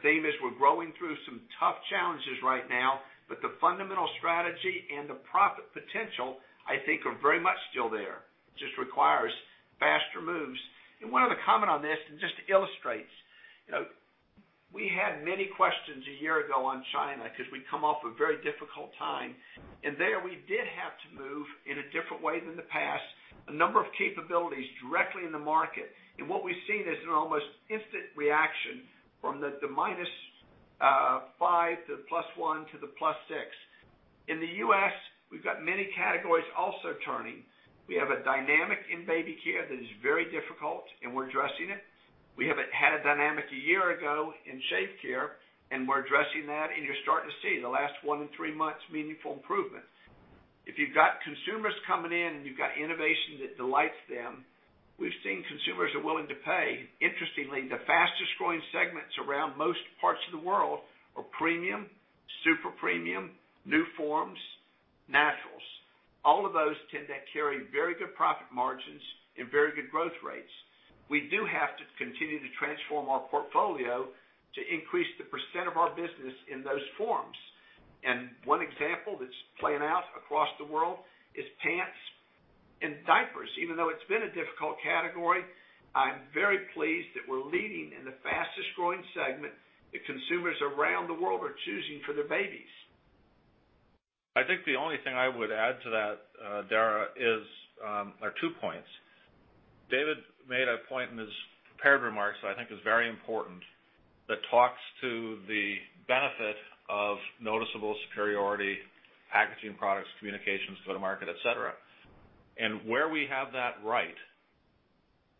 theme is we're growing through some tough challenges right now, but the fundamental strategy and the profit potential, I think, are very much still there. It just requires faster moves. Wanted to comment on this, and just illustrates. We had many questions a year ago on China because we'd come off a very difficult time. There we did have to move in a different way than the past, a number of capabilities directly in the market. What we've seen is an almost instant reaction from the minus five to plus one to the plus six. In the U.S., we've got many categories also turning. We have a dynamic in Baby Care that is very difficult, and we're addressing it. We haven't had a dynamic a year ago in Shave Care, and we're addressing that, and you're starting to see the last one and three months meaningful improvement. If you've got consumers coming in and you've got innovation that delights them, we've seen consumers are willing to pay. Interestingly, the fastest growing segments around most parts of the world are premium, super premium, new forms, naturals. All of those tend to carry very good profit margins and very good growth rates. We do have to continue to transform our portfolio to increase the % of our business in those forms. One example that's playing out across the world is pants and diapers. Even though it's been a difficult category, I'm very pleased that we're leading in the fastest growing segment that consumers around the world are choosing for their babies.
I think the only thing I would add to that, Dara, are two points. David made a point in his prepared remarks that I think is very important that talks to the benefit of noticeable superiority, packaging products, communications, go to market, et cetera. And where we have that right,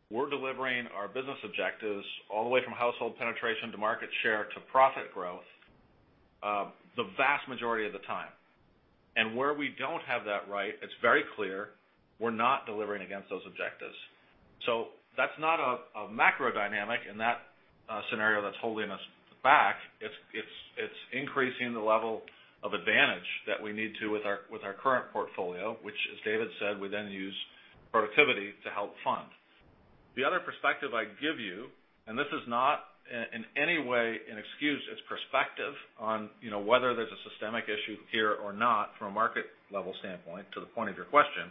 we're delivering our business objectives all the way from household penetration to market share to profit growth, the vast majority of the time. And where we don't have that right, it's very clear we're not delivering against those objectives. That's not a macro dynamic in that scenario that's holding us back. It's increasing the level of advantage that we need to with our current portfolio, which as David said, we then use productivity to help fund. The other perspective I'd give you, and this is not in any way an excuse, it's perspective on whether there's a systemic issue here or not from a market level standpoint to the point of your question.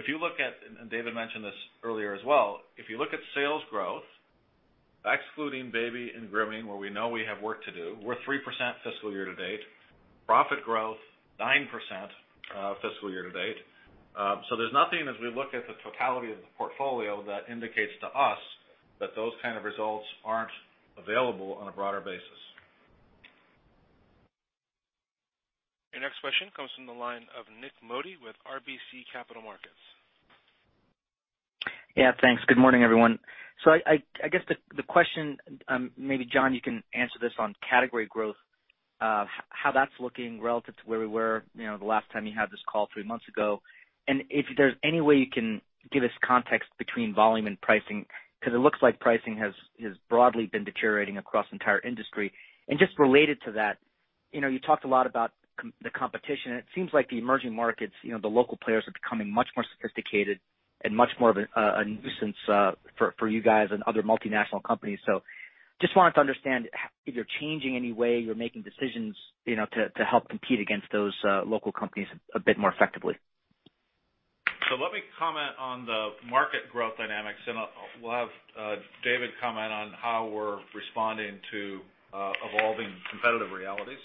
If you look at, and David mentioned this earlier as well, if you look at sales growth, excluding Baby and Grooming, where we know we have work to do, we're 3% fiscal year to date. Profit growth, 9% fiscal year to date. So there's nothing as we look at the totality of the portfolio that indicates to us that those kind of results aren't available on a broader basis.
Your next question comes from the line of Nik Modi with RBC Capital Markets.
Yeah, thanks. Good morning, everyone. I guess the question, maybe Jon, you can answer this on category growth, how that's looking relative to where we were the last time you had this call 3 months ago. If there's any way you can give us context between volume and pricing, because it looks like pricing has broadly been deteriorating across the entire industry. Just related to that, you talked a lot about the competition, and it seems like the emerging markets, the local players are becoming much more sophisticated and much more of a nuisance for you guys and other multinational companies. So just wanted to understand if you're changing any way you're making decisions, to help compete against those local companies a bit more effectively.
Let me comment on the market growth dynamics, and we'll have David comment on how we're responding to evolving competitive realities.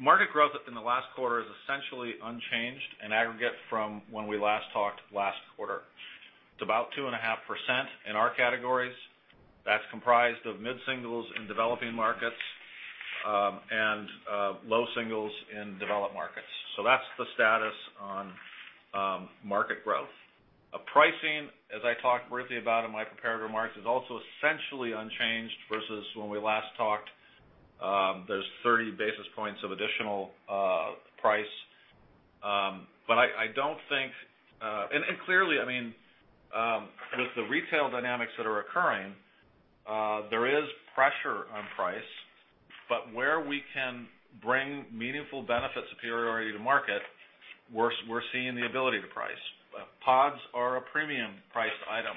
Market growth in the last quarter is essentially unchanged in aggregate from when we last talked last quarter. It's about 2.5% in our categories. That's comprised of mid-singles in developing markets, and low singles in developed markets. That's the status on market growth. Pricing, as I talked briefly about in my prepared remarks, is also essentially unchanged versus when we last talked. There's 30 basis points of additional price. Clearly, with the retail dynamics that are occurring, there is pressure on price. Where we can bring meaningful benefit superiority to market, we're seeing the ability to price. Pods are a premium-priced item.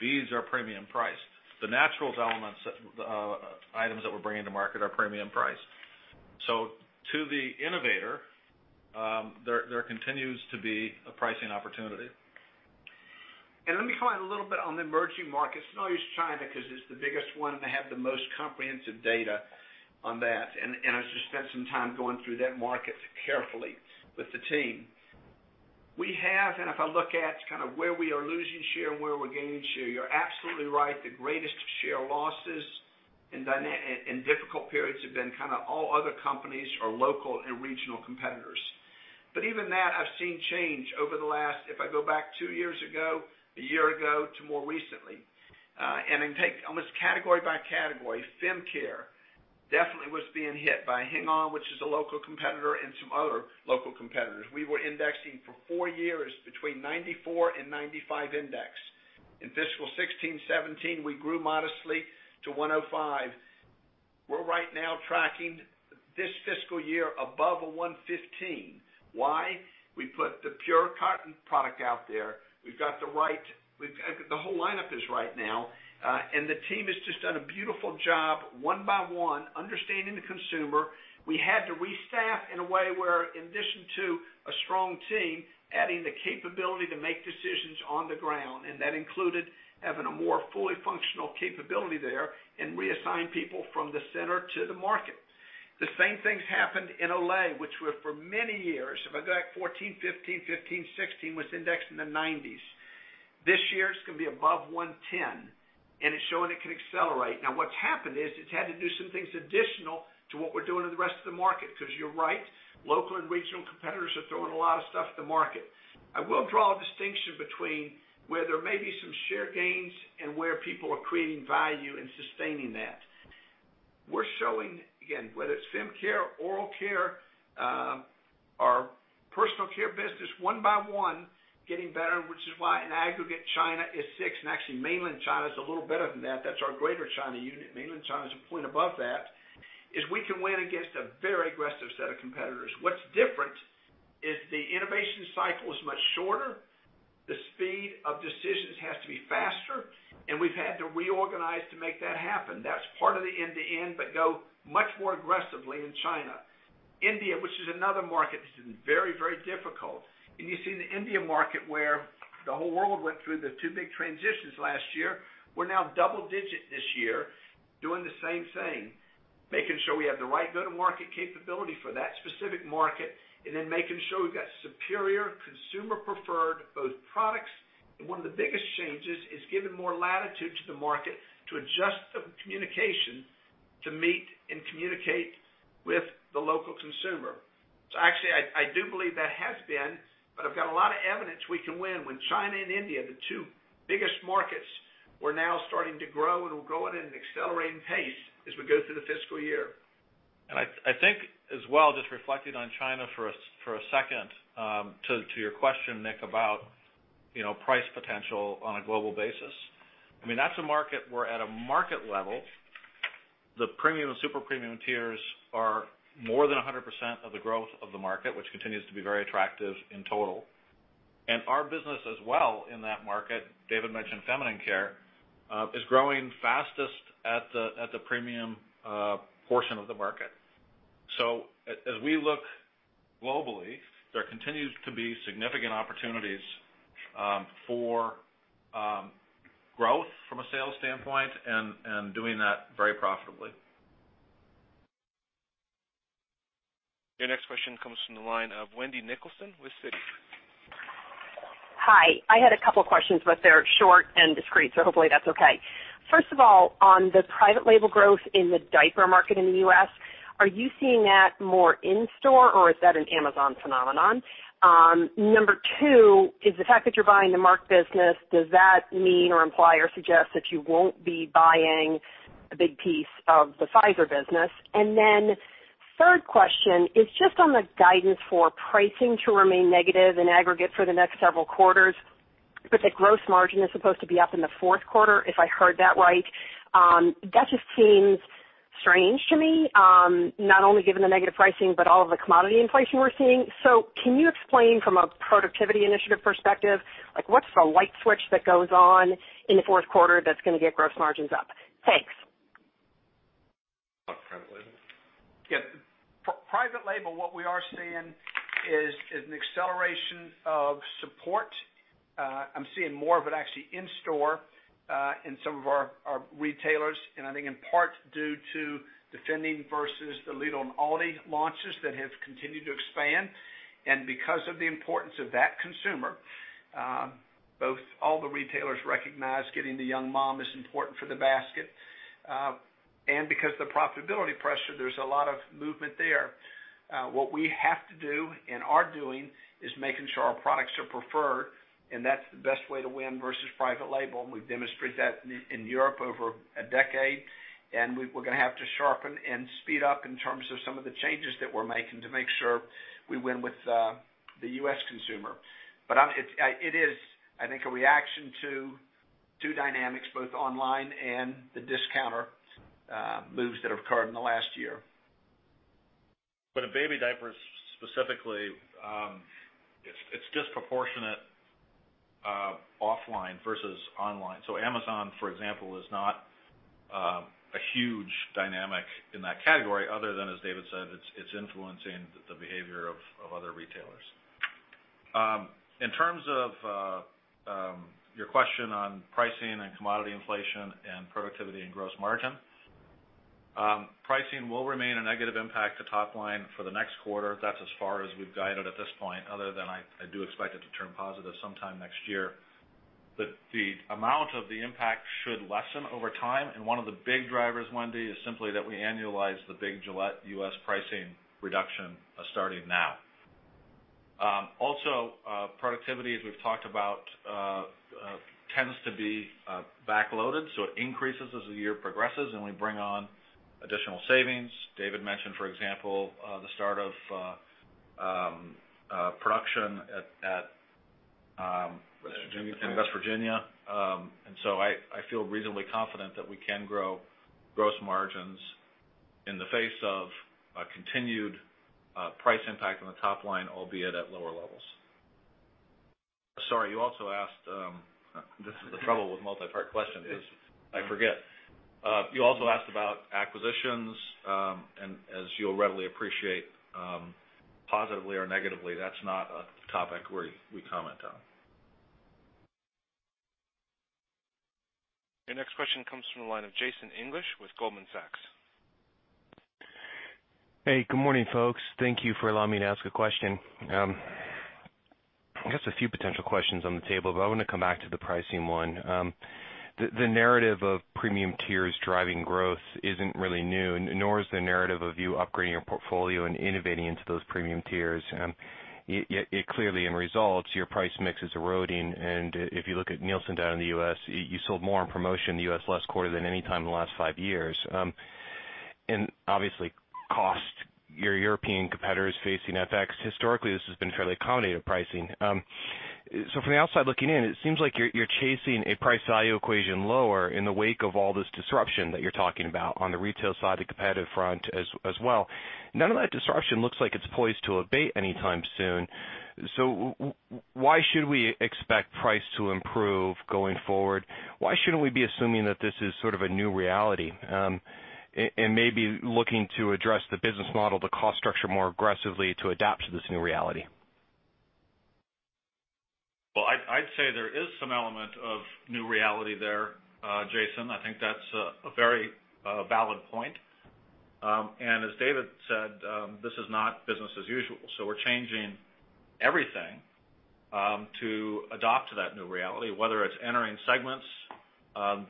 Beads are premium-priced. The Naturals items that we're bringing to market are premium-priced. To the innovator, there continues to be a pricing opportunity.
Let me comment a little bit on the emerging markets, and I'll use China because it's the biggest one and I have the most comprehensive data on that. As I spent some time going through that market carefully with the team. We have, and if I look at kind of where we are losing share and where we're gaining share, you're absolutely right. The greatest share losses in difficult periods have been all other companies or local and regional competitors. Even that I've seen change over the last, if I go back two years ago, a year ago, to more recently. Then take almost category by category, fem care definitely was being hit by Hengan, which is a local competitor, and some other local competitors. We were indexing for four years between 94 and 95 index. In fiscal 2016, 2017, we grew modestly to 105. We're right now tracking this fiscal year above 115. Why? We put the Pure Cotton product out there. The whole lineup is right now. The team has just done a beautiful job, one by one, understanding the consumer. We had to restaff in a way where, in addition to a strong team, adding the capability to make decisions on the ground, and that included having a more fully functional capability there, and reassign people from the center to the market. The same thing's happened in L.A., which for many years, if I go back 2014, 2015, 2016, was indexed in the 90s. This year it's going to be above 110, and it's showing it can accelerate. Now what's happened is it's had to do some things additional to what we're doing in the rest of the market, because you're right, local and regional competitors are throwing a lot of stuff at the market. I will draw a distinction between where there may be some share gains and where people are creating value and sustaining that. We're showing, again, whether it's fem care, oral care, our personal care business, one by one getting better, which is why in aggregate, China is six and actually mainland China is a little better than that. That's our greater China unit. Mainland China is a point above that, is we can win against a very aggressive set of competitors. What's different is the innovation cycle is much shorter. The speed of decisions has to be faster, we've had to reorganize to make that happen. That's part of the End-to-End, go much more aggressively in China. India, which is another market that's been very difficult. You see the India market where the whole world went through the two big transitions last year. We're now double-digit this year, doing the same thing, making sure we have the right go-to-market capability for that specific market, making sure we've got superior consumer preferred both products. One of the biggest changes is giving more latitude to the market to adjust the communication to meet and communicate with the local consumer. I do believe that has been, I've got a lot of evidence we can win with China and India, the two biggest markets, we're now starting to grow and we're growing at an accelerating pace as we go through the fiscal year.
I think as well, just reflecting on China for a second, to your question, Nik, about price potential on a global basis. That's a market where at a market level, the premium and super premium tiers are more than 100% of the growth of the market, which continues to be very attractive in total. Our business as well in that market, David mentioned feminine care, is growing fastest at the premium portion of the market. As we look globally, there continues to be significant opportunities for growth from a sales standpoint and doing that very profitably.
Your next question comes from the line of Wendy Nicholson with Citi.
Hi. I had a couple questions, but they're short and discreet, so hopefully that's okay. First of all, on the private label growth in the diaper market in the U.S., are you seeing that more in store or is that an Amazon phenomenon? Number two, is the fact that you're buying the Merck business, does that mean or imply or suggest that you won't be buying a big piece of the Pfizer business? Third question is just on the guidance for pricing to remain negative in aggregate for the next several quarters. The gross margin is supposed to be up in the fourth quarter, if I heard that right. That just seems strange to me, not only given the negative pricing, but all of the commodity inflation we're seeing. Can you explain from a productivity initiative perspective, what's the light switch that goes on in the fourth quarter that's going to get gross margins up? Thanks.
On private label?
Yeah. Private label, what we are seeing is an acceleration of support. I'm seeing more of it actually in store, in some of our retailers, and I think in part due to defending versus the lead on Aldi launches that have continued to expand. Because of the importance of that consumer, both all the retailers recognize getting the young mom is important for the basket. Because of the profitability pressure, there's a lot of movement there. What we have to do and are doing is making sure our products are preferred, and that's the best way to win versus private label. We've demonstrated that in Europe over a decade, and we're going to have to sharpen and speed up in terms of some of the changes that we're making to make sure we win with the U.S. consumer. It is, I think, a reaction to two dynamics, both online and the discounter moves that have occurred in the last year.
A baby diaper specifically, it's disproportionate offline versus online. Amazon, for example, is not a huge dynamic in that category other than, as David said, it's influencing the behavior of other retailers. In terms of your question on pricing and commodity inflation and productivity and gross margin, pricing will remain a negative impact to top line for the next quarter. That's as far as we've guided at this point, other than I do expect it to turn positive sometime next year. The amount of the impact should lessen over time, and one of the big drivers, Wendy, is simply that we annualize the big Gillette U.S. pricing reduction starting now. Productivity, as we've talked about, tends to be back-loaded, so it increases as the year progresses, and we bring on additional savings. David mentioned, for example, the start of production at- West Virginia West Virginia. I feel reasonably confident that we can grow gross margins in the face of a continued price impact on the top line, albeit at lower levels. This is the trouble with multi-part question is I forget. You also asked about acquisitions, as you'll readily appreciate, positively or negatively, that's not a topic we comment on.
Your next question comes from the line of Jason English with Goldman Sachs.
Hey, good morning, folks. Thank you for allowing me to ask a question. I guess a few potential questions on the table, I want to come back to the pricing one. The narrative of premium tiers driving growth isn't really new, nor is the narrative of you upgrading your portfolio and innovating into those premium tiers. Yet clearly in results, your price mix is eroding, and if you look at Nielsen down in the U.S., you sold more on promotion in the U.S. last quarter than any time in the last five years. Obviously cost, your European competitors facing FX. Historically, this has been fairly accommodative pricing. From the outside looking in, it seems like you're chasing a price-value equation lower in the wake of all this disruption that you're talking about on the retail side, the competitive front as well. None of that disruption looks like it's poised to abate anytime soon. Why should we expect price to improve going forward? Why shouldn't we be assuming that this is sort of a new reality, and maybe looking to address the business model, the cost structure, more aggressively to adapt to this new reality?
Well, I'd say there is some element of new reality there, Jason. I think that's a very valid point. As David said, this is not business as usual. We're changing everything to adapt to that new reality, whether it's entering segments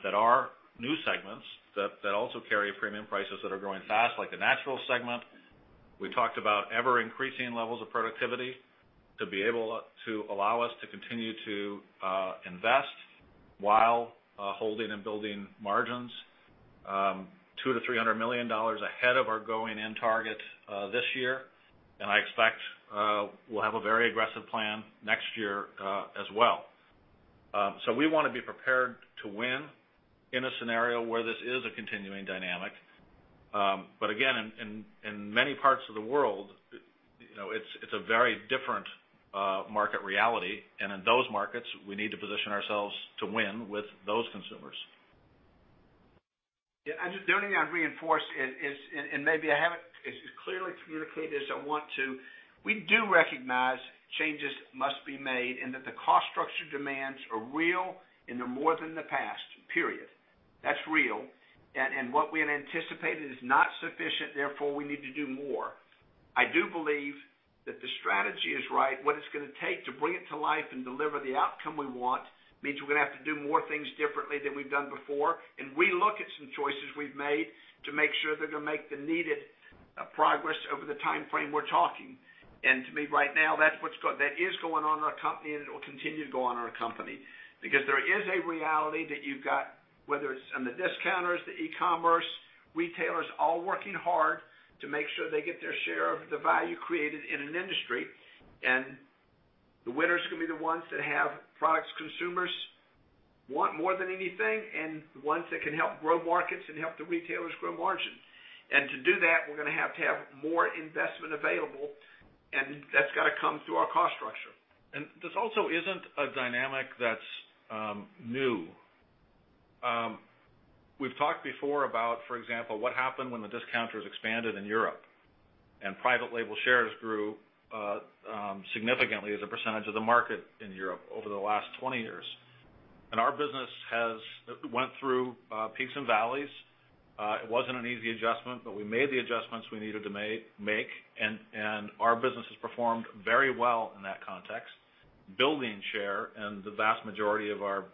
that are new segments that also carry premium prices that are growing fast, like the natural segment. We talked about ever-increasing levels of productivity to be able to allow us to continue to invest while holding and building margins. $200 million-$300 million ahead of our going-in target this year. I expect we'll have a very aggressive plan next year as well. We want to be prepared to win in a scenario where this is a continuing dynamic. Again, in many parts of the world, it's a very different market reality. In those markets, we need to position ourselves to win with those consumers.
Yeah, the only thing I'd reinforce is, and maybe I haven't as clearly communicated as I want to, we do recognize changes must be made, and that the cost structure demands are real, and they're more than the past, period. That's real. What we had anticipated is not sufficient, therefore, we need to do more. I do believe that the strategy is right. What it's going to take to bring it to life and deliver the outcome we want means we're going to have to do more things differently than we've done before. We look at some choices we've made to make sure they're going to make the needed progress over the timeframe we're talking. To me, right now, that is going on in our company, and it will continue to go on in our company. Because there is a reality that you've got, whether it's on the discounters, the e-commerce, retailers, all working hard to make sure they get their share of the value created in an industry. The winners are going to be the ones that have products consumers want more than anything, and the ones that can help grow markets and help the retailers grow margins. To do that, we're going to have to have more investment available, and that's got to come through our cost structure.
This also isn't a dynamic that's new. We've talked before about, for example, what happened when the discounters expanded in Europe, and private label shares grew significantly as a percentage of the market in Europe over the last 20 years. Our business has went through peaks and valleys. It wasn't an easy adjustment, but we made the adjustments we needed to make, and our business has performed very well in that context, building share in the vast majority of our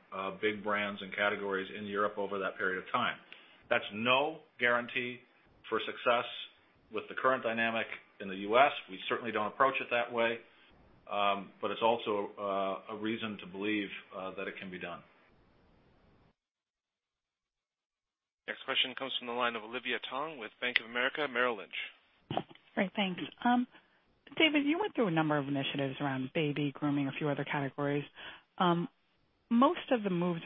big brands and categories in Europe over that period of time. That's no guarantee for success with the current dynamic in the U.S. We certainly don't approach it that way. It's also a reason to believe that it can be done.
Next question comes from the line of Olivia Tong with Bank of America Merrill Lynch.
Great. Thanks. David, you went through a number of initiatives around baby, grooming, a few other categories. Most of the moves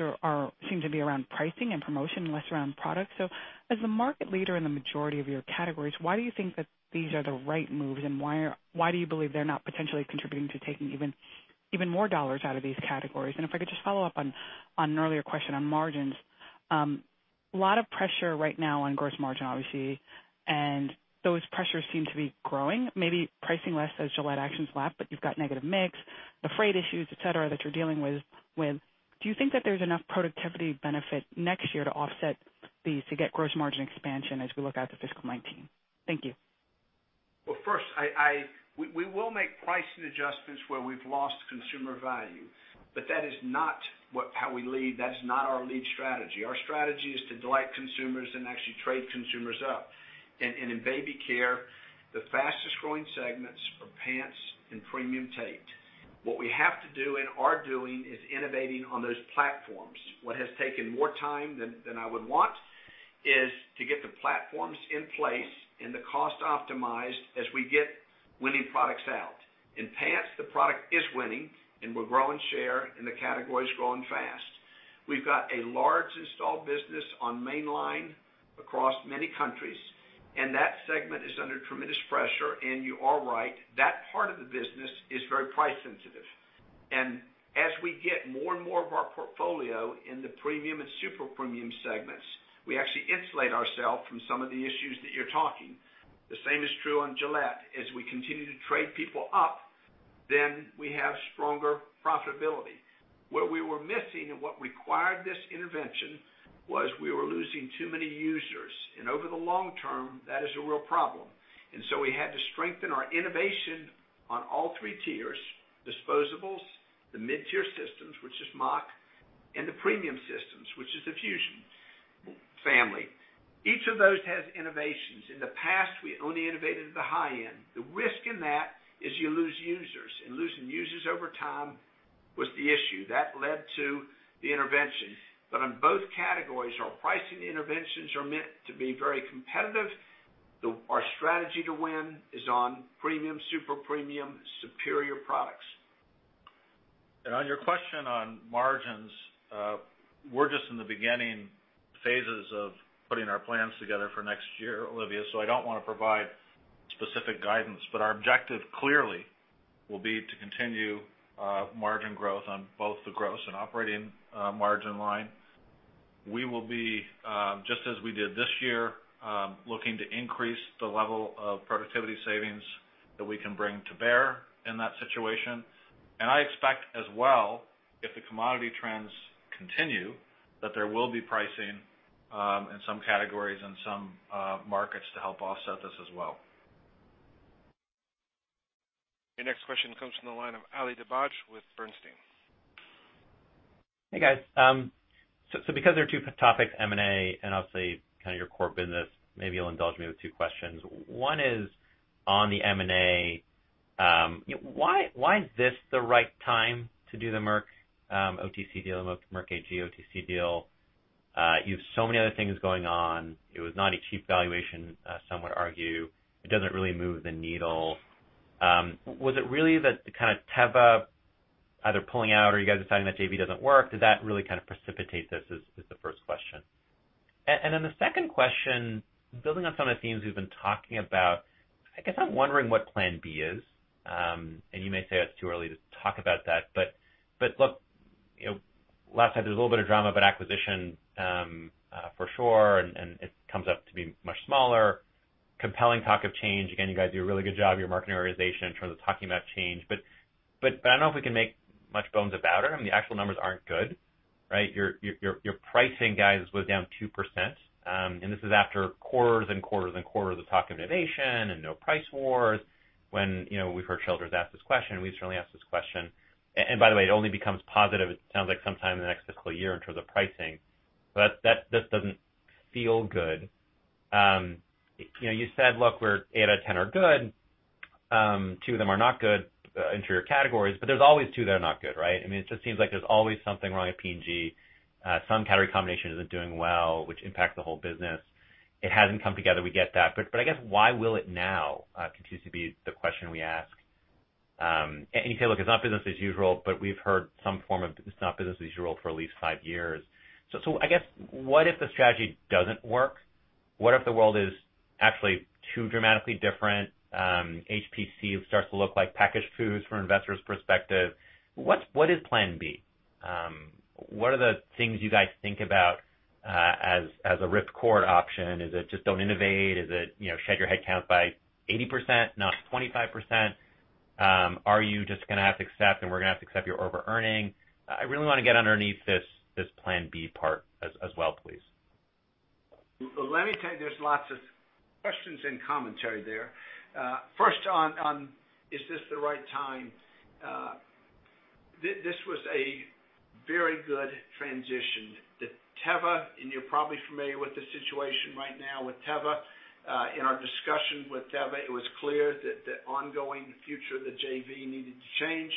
seem to be around pricing and promotion, less around product. As the market leader in the majority of your categories, why do you think that these are the right moves, and why do you believe they're not potentially contributing to taking even more dollars out of these categories? If I could just follow up on an earlier question on margins. A lot of pressure right now on gross margin, obviously, and those pressures seem to be growing, maybe pricing less as Gillette Action's lap, but you've got negative mix, the freight issues, et cetera, that you're dealing with. Do you think that there's enough productivity benefit next year to offset these to get gross margin expansion as we look out to fiscal 2019? Thank you.
Well, first, we will make pricing adjustments where we've lost consumer value, but that is not how we lead. That is not our lead strategy. Our strategy is to delight consumers and actually trade consumers up. In baby care, the fastest-growing segments are pants and premium tape. What we have to do and are doing is innovating on those platforms. What has taken more time than I would want is to get the platforms in place and the cost optimized as we get winning products out. In pants, the product is winning, and we're growing share, and the category's growing fast. We've got a large installed business on mainline across many countries, and that segment is under tremendous pressure. You are right, that part of the business is very price sensitive. As we get more and more of our portfolio in the premium and super premium segments, we actually insulate ourself from some of the issues that you're talking. The same is true on Gillette. As we continue to trade people up, then we have stronger profitability. Where we were missing and what required this intervention was we were losing too many users. Over the long term, that is a real problem. So we had to strengthen our innovation on all three tiers, disposables, the mid-tier systems, which is Mach3, and the premium systems, which is the Fusion family. Each of those has innovations. In the past, we only innovated at the high end. The risk in that is you lose users, and losing users over time was the issue. That led to the intervention. On both categories, our pricing interventions are meant to be very competitive. Our strategy to win is on premium, super premium, superior products.
On your question on margins, we're just in the beginning phases of putting our plans together for next year, Olivia, so I don't want to provide specific guidance, but our objective clearly will be to continue margin growth on both the gross and operating margin line. We will be, just as we did this year, looking to increase the level of productivity savings that we can bring to bear in that situation. I expect as well, if the commodity trends continue, that there will be pricing in some categories and some markets to help offset this as well.
Your next question comes from the line of Ali Dibadj with Bernstein.
Because there are two topics, M&A, and obviously kind of your core business, maybe you'll indulge me with two questions. One is on the M&A. Why is this the right time to do the Merck OTC deal, the Merck AG OTC deal? You have so many other things going on. It was not a cheap valuation, some would argue. It doesn't really move the needle. Was it really the kind of Teva either pulling out or you guys deciding that JV doesn't work? Does that really kind of precipitate this, is the first question. Then the second question, building on some of the themes we've been talking about, I guess I'm wondering what plan B is. You may say it's too early to talk about that, look, last time there was a little bit of drama about acquisition for sure, it comes up to be much smaller. Compelling talk of change. Again, you guys do a really good job, your marketing organization, in terms of talking about change. I don't know if we can make much bones about it. I mean, the actual numbers aren't good, right? Your pricing, guys, was down 2%. This is after quarters and quarters and quarters of talk of innovation and no price wars. When we've heard children ask this question, we've certainly asked this question. By the way, it only becomes positive, it sounds like, sometime in the next fiscal year in terms of pricing. That doesn't feel good. You said, look, eight out of 10 are good. Two of them are not good in your categories, there's always two that are not good, right? I mean, it just seems like there's always something wrong at P&G. Some category combination isn't doing well, which impacts the whole business. It hasn't come together, we get that. I guess why will it now? Continues to be the question we ask. You say, "Look, it's not business as usual," we've heard some form of it's not business as usual for at least five years. I guess, what if the strategy doesn't work? What if the world is actually too dramatically different, HPC starts to look like packaged foods from investors' perspective. What is plan B? What are the things you guys think about, as a rip cord option? Is it just don't innovate? Is it, shed your headcount by 80%, not 25%? Are you just going to have to accept, we're going to have to accept your over-earning? I really want to get underneath this plan B part as well, please.
Let me tell you, there's lots of questions and commentary there. First on, is this the right time? This was a very good transition. The Teva, you're probably familiar with the situation right now with Teva. In our discussion with Teva, it was clear that the ongoing future of the JV needed to change,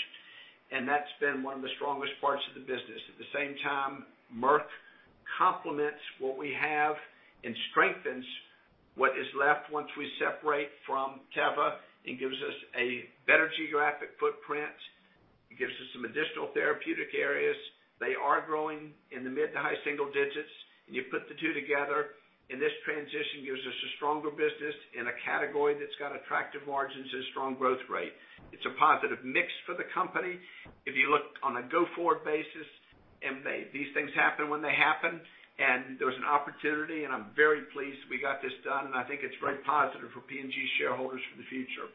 that's been one of the strongest parts of the business. At the same time, Merck complements what we have and strengthens what is left once we separate from Teva and gives us a better geographic footprint. It gives us some additional therapeutic areas. They are growing in the mid to high single digits, you put the two together, this transition gives us a stronger business in a category that's got attractive margins and strong growth rate. It's a positive mix for the company. If you look on a go-forward basis, these things happen when they happen, there was an opportunity, I'm very pleased we got this done, and I think it's very positive for P&G shareholders for the future.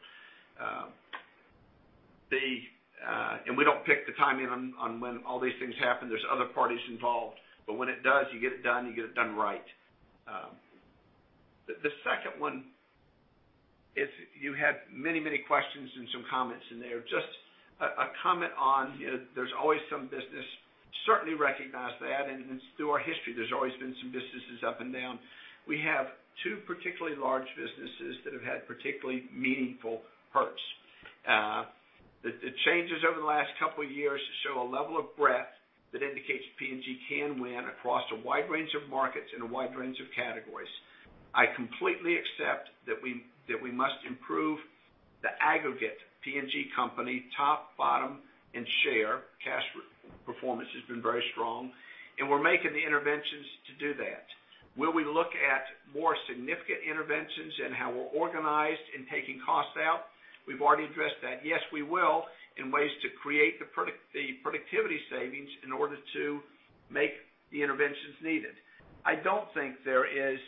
We don't pick the timing on when all these things happen. There's other parties involved. When it does, you get it done, you get it done right. The second one, you had many questions and some comments in there. Just a comment on, there's always some business. Certainly recognize that, through our history, there's always been some businesses up and down. We have two particularly large businesses that have had particularly meaningful hurts. The changes over the last couple of years show a level of breadth that indicates P&G can win across a wide range of markets and a wide range of categories. I completely accept that we must improve the aggregate P&G company, top, bottom, and share. Cash performance has been very strong, we're making the interventions to do that. Will we look at more significant interventions in how we're organized in taking costs out? We've already addressed that. Yes, we will, in ways to create the productivity savings in order to make the interventions needed. I don't think there is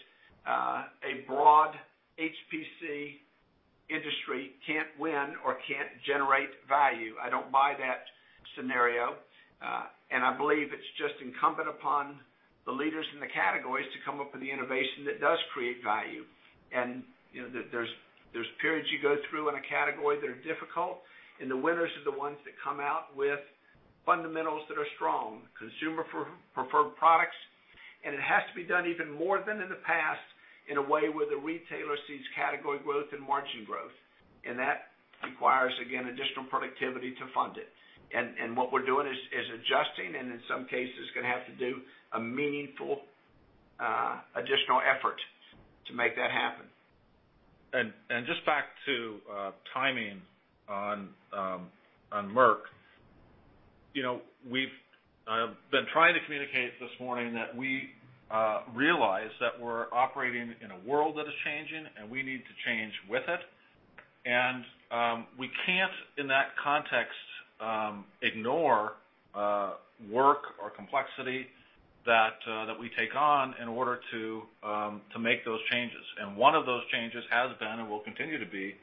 a broad HPC industry can't win or can't generate value. I don't buy that scenario. I believe it's just incumbent upon the leaders in the categories to come up with the innovation that does create value. There's periods you go through in a category that are difficult, and the winners are the ones that come out with fundamentals that are strong, consumer-preferred products. It has to be done even more than in the past, in a way where the retailer sees category growth and margin growth. That requires, again, additional productivity to fund it. What we're doing is adjusting, and in some cases, going to have to do a meaningful additional effort to make that happen.
Just back to timing on Merck. We've been trying to communicate this morning that we realize that we're operating in a world that is changing, and we need to change with it. We can't, in that context, ignore work or complexity that we take on in order to make those changes. One of those changes has been, and will continue to be,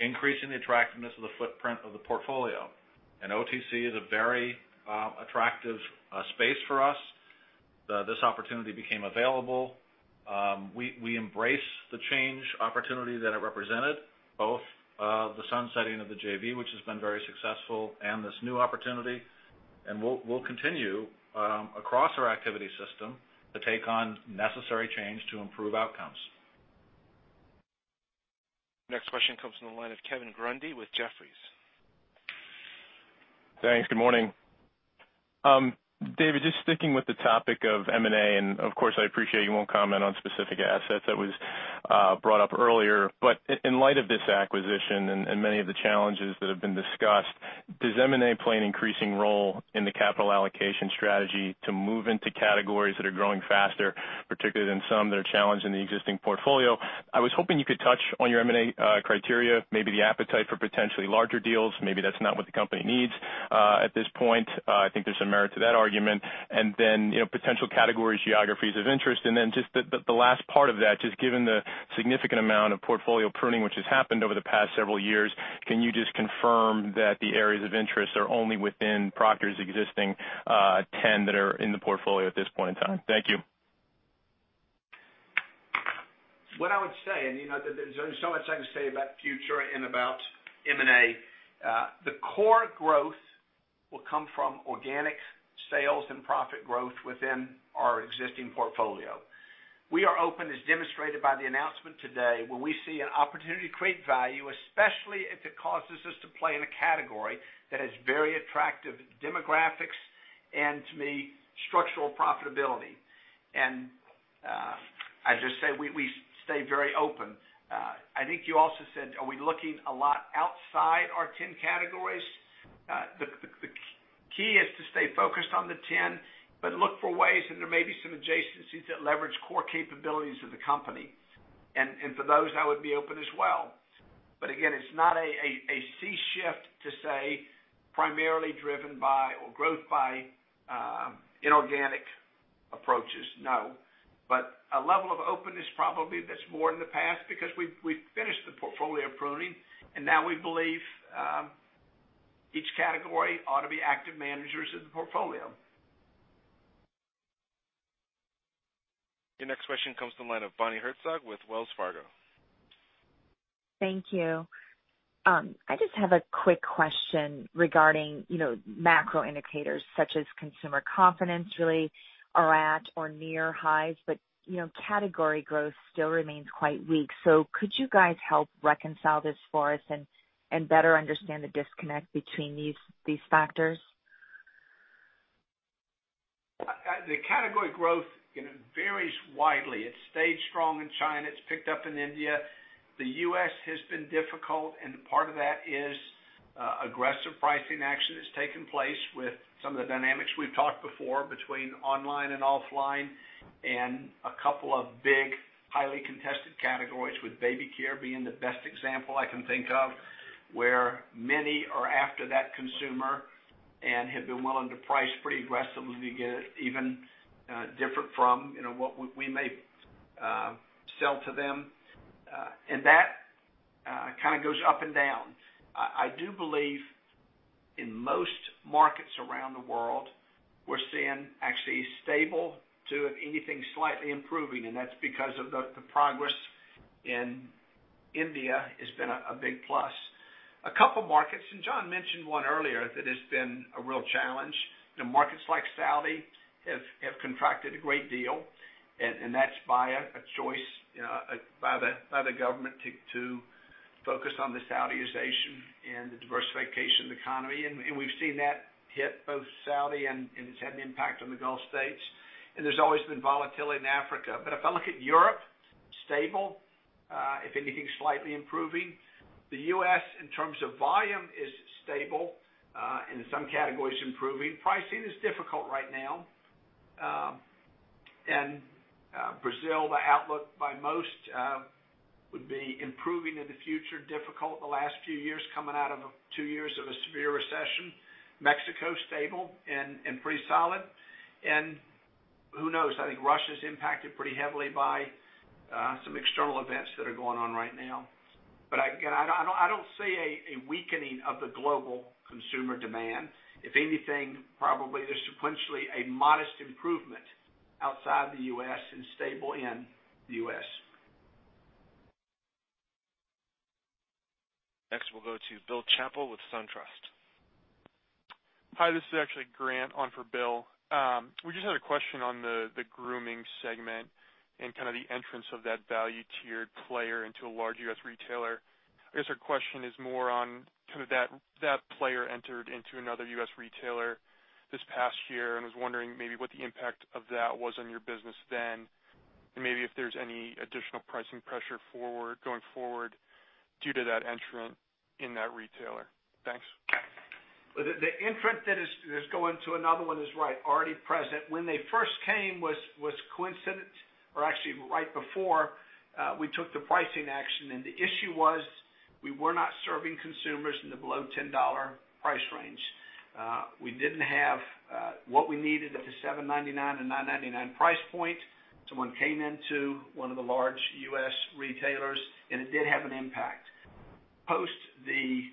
increasing the attractiveness of the footprint of the portfolio. OTC is a very attractive space for us. This opportunity became available. We embrace the change opportunity that it represented, both the sunsetting of the JV, which has been very successful, and this new opportunity. We'll continue across our activity system to take on necessary change to improve outcomes.
Next question comes from the line of Kevin Grundy with Jefferies.
Thanks. Good morning. David, just sticking with the topic of M&A, and, of course, I appreciate you won't comment on specific assets that was brought up earlier. In light of this acquisition and many of the challenges that have been discussed, does M&A play an increasing role in the capital allocation strategy to move into categories that are growing faster, particularly than some that are challenged in the existing portfolio? I was hoping you could touch on your M&A criteria, maybe the appetite for potentially larger deals. Maybe that's not what the company needs, at this point. I think there's some merit to that argument. Potential categories, geographies of interest, and then just the last part of that, just given the significant amount of portfolio pruning which has happened over the past several years, can you just confirm that the areas of interest are only within Procter's existing ten that are in the portfolio at this point in time? Thank you.
What I would say, and there's only so much I can say about future and about M&A. The core growth will come from organic sales and profit growth within our existing portfolio. We are open, as demonstrated by the announcement today. When we see an opportunity to create value, especially if it causes us to play in a category that has very attractive demographics and, to me, structural profitability. I just say we stay very open. I think you also said, are we looking a lot outside our 10 categories? The key is to stay focused on the 10, but look for ways that there may be some adjacencies that leverage core capabilities of the company. For those, I would be open as well. Again, it's not a sea shift to say, primarily driven by, or growth by inorganic approaches, no. A level of openness, probably that's more in the past because we've finished the portfolio pruning, and now we believe each category ought to be active managers of the portfolio.
Your next question comes from the line of Bonnie Herzog with Wells Fargo.
Thank you. I just have a quick question regarding macro indicators such as consumer confidence really are at or near highs, but category growth still remains quite weak. Could you guys help reconcile this for us and better understand the disconnect between these factors?
The category growth varies widely. It stayed strong in China. It's picked up in India. The U.S. has been difficult, and part of that is aggressive pricing action that's taken place with some of the dynamics we've talked before between online and offline, and a couple of big, highly contested categories with baby care being the best example I can think of, where many are after that consumer and have been willing to price pretty aggressively to get it, even different from what we may sell to them. That kind of goes up and down. I do believe in most markets around the world, we're seeing actually stable to, if anything, slightly improving. That's because of the progress in India has been a big plus. A couple markets, and Jon mentioned one earlier that has been a real challenge. Markets like Saudi have contracted a great deal. That's by a choice by the government to focus on the Saudization and the diversification of the economy. We've seen that hit both Saudi and it's had an impact on the Gulf States. There's always been volatility in Africa. If I look at Europe, stable, if anything, slightly improving. The U.S. in terms of volume is stable, in some categories improving. Pricing is difficult right now. Brazil, the outlook by most would be improving in the future. Difficult the last few years, coming out of two years of a severe recession. Mexico, stable and pretty solid. Who knows? I think Russia's impacted pretty heavily by some external events that are going on right now. Again, I don't see a weakening of the global consumer demand. If anything, probably there's sequentially a modest improvement outside the U.S. and stable in the U.S.
Next, we'll go to Bill Chappell with SunTrust.
Hi, this is actually Grant on for Bill. We just had a question on the grooming segment and kind of the entrance of that value-tiered player into a large U.S. retailer. I guess our question is more on kind of that player entered into another U.S. retailer this past year and was wondering maybe what the impact of that was on your business then, and maybe if there's any additional pricing pressure going forward due to that entrant in that retailer. Thanks.
The entrant that is going to another one is right, already present. When they first came was coincident, or actually right before we took the pricing action. The issue was we were not serving consumers in the below $10 price range. We didn't have what we needed at the $7.99-$9.99 price point. Someone came into one of the large U.S. retailers. It did have an impact. Post the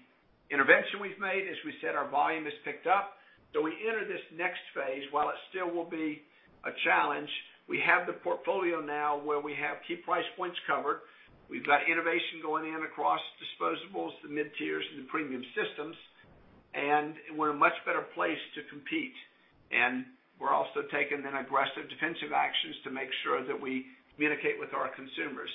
intervention we've made, as we said, our volume has picked up. We enter this next phase. While it still will be a challenge, we have the portfolio now where we have key price points covered. We've got innovation going in across disposables, the mid-tiers, and the premium systems. We're in a much better place to compete. We're also taking then aggressive defensive actions to make sure that we communicate with our consumers.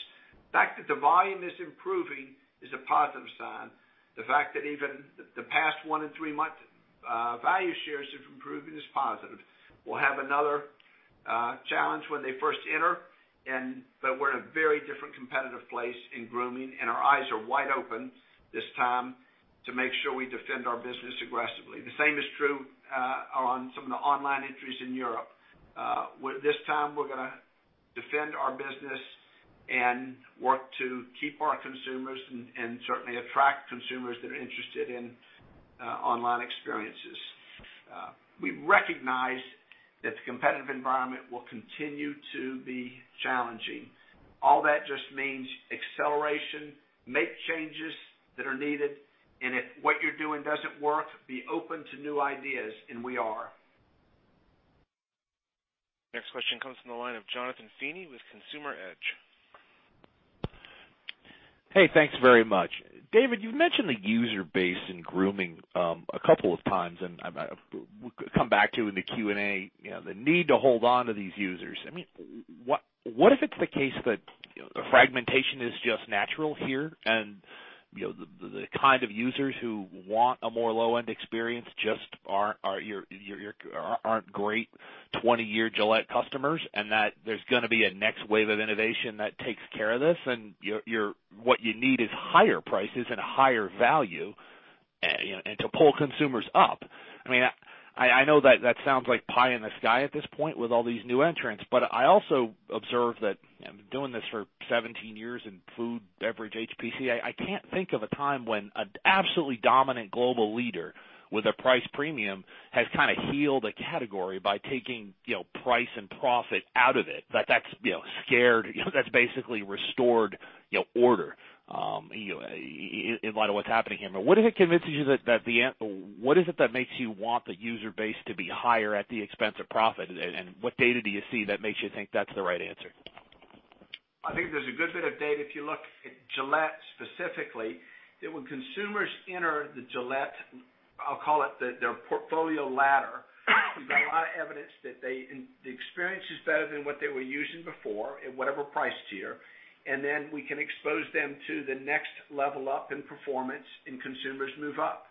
The fact that the volume is improving is a positive sign. The fact that even the past one and three months, value shares have improved is positive. We'll have another challenge when they first enter. We're in a very different competitive place in grooming. Our eyes are wide open this time to make sure we defend our business aggressively. The same is true on some of the online entries in Europe. This time, we're gonna defend our business and work to keep our consumers and certainly attract consumers that are interested in online experiences. We recognize that the competitive environment will continue to be challenging. All that just means acceleration, make changes that are needed. If what you're doing doesn't work, be open to new ideas. We are.
Next question comes from the line of Jonathan Feeney with Consumer Edge.
Hey, thanks very much. David, you've mentioned the user base in grooming, a couple of times. We could come back to in the Q&A, the need to hold on to these users. What if it's the case that the fragmentation is just natural here? The kind of users who want a more low-end experience just aren't great 20-year Gillette customers. There's going to be a next wave of innovation that takes care of this. What you need is higher prices and higher value, to pull consumers up. I know that sounds like pie in the sky at this point with all these new entrants. I also observe that I've been doing this for 17 years in food, beverage, HPC. I can't think of a time when an absolutely dominant global leader with a price premium has kind of healed a category by taking price and profit out of it. That's basically restored order in light of what's happening here. What is it that makes you want the user base to be higher at the expense of profit? What data do you see that makes you think that's the right answer?
I think there's a good bit of data. If you look at Gillette specifically, that when consumers enter the Gillette, I'll call it their portfolio ladder. We've got a lot of evidence that the experience is better than what they were using before at whatever price tier. Then we can expose them to the next level up in performance, and consumers move up.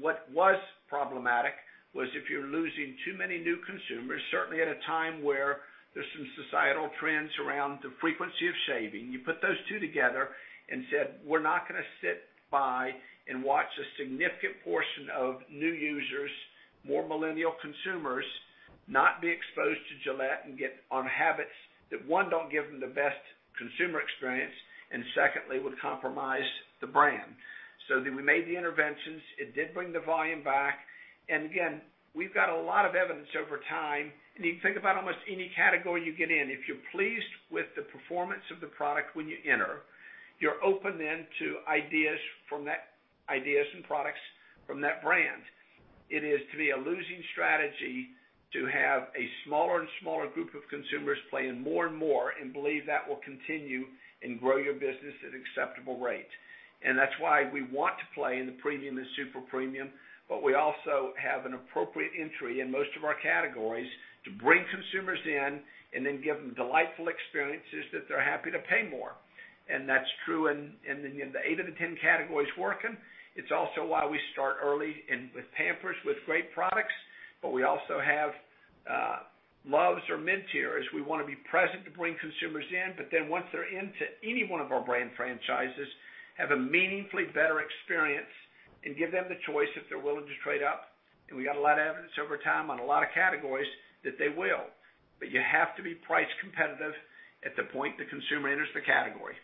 What was problematic was if you're losing too many new consumers, certainly at a time where there's some societal trends around the frequency of shaving, you put those two together and said, "We're not going to sit by and watch a significant portion of new users, more millennial consumers, not be exposed to Gillette and get on habits that, one, don't give them the best consumer experience, and secondly, would compromise the brand." We made the interventions. It did bring the volume back. Again, we've got a lot of evidence over time, and you can think about almost any category you get in. If you're pleased with the performance of the product when you enter, you're open then to ideas and products from that brand. It is, to me, a losing strategy to have a smaller and smaller group of consumers playing more and more and believe that will continue and grow your business at acceptable rate. That's why we want to play in the premium and super premium, but we also have an appropriate entry in most of our categories to bring consumers in and then give them delightful experiences that they're happy to pay more. That's true in the 8 of the 10 categories working. It's also why we start early with Pampers, with great products. We also have Luvs or mid-tiers. We want to be present to bring consumers in, but then once they're into any one of our brand franchises, have a meaningfully better experience and give them the choice if they're willing to trade up. We got a lot of evidence over time on a lot of categories that they will. You have to be price competitive at the point the consumer enters the category.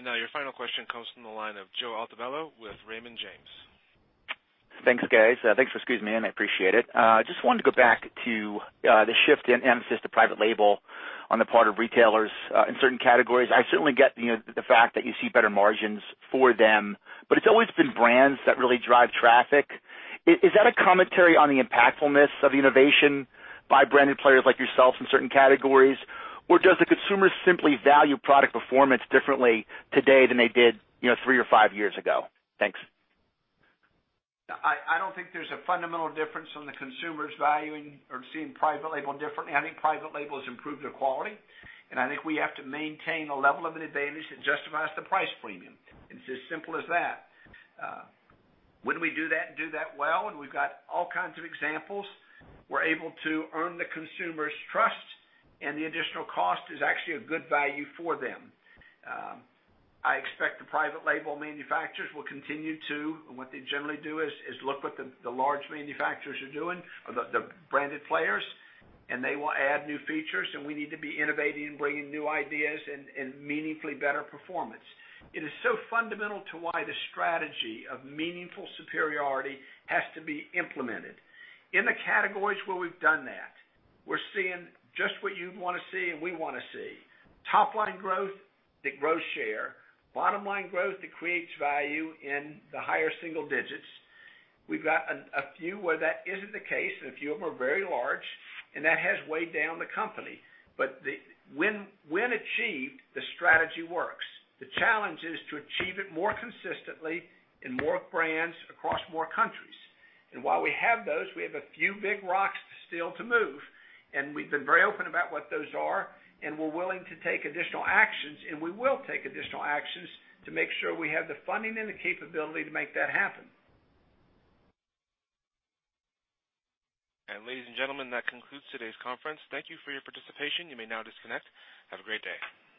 Now your final question comes from the line of Joe Altobello with Raymond James.
Thanks, guys. Thanks for squeezing me in. I appreciate it. Just wanted to go back to the shift in emphasis to private label on the part of retailers in certain categories. I certainly get the fact that you see better margins for them, but it's always been brands that really drive traffic. Is that a commentary on the impactfulness of innovation by branded players like yourselves in certain categories, or does the consumer simply value product performance differently today than they did three or five years ago? Thanks.
I don't think there's a fundamental difference from the consumer's valuing or seeing private label differently. I think private label has improved their quality, and I think we have to maintain a level of innovation that justifies the price premium. It's as simple as that. When we do that and do that well, and we've got all kinds of examples, we're able to earn the consumer's trust, and the additional cost is actually a good value for them. I expect the private label manufacturers will continue to, and what they generally do is look what the large manufacturers are doing, or the branded players, and they will add new features, and we need to be innovating and bringing new ideas and meaningfully better performance. It is so fundamental to why the strategy of meaningful superiority has to be implemented. In the categories where we've done that, we're seeing just what you'd want to see and we want to see. Top line growth that grows share. Bottom line growth that creates value in the higher single digits. We've got a few where that isn't the case, and a few of them are very large, and that has weighed down the company. When achieved, the strategy works. The challenge is to achieve it more consistently in more brands across more countries. While we have those, we have a few big rocks still to move, and we've been very open about what those are, and we're willing to take additional actions, and we will take additional actions to make sure we have the funding and the capability to make that happen.
Ladies and gentlemen, that concludes today's conference. Thank you for your participation. You may now disconnect. Have a great day.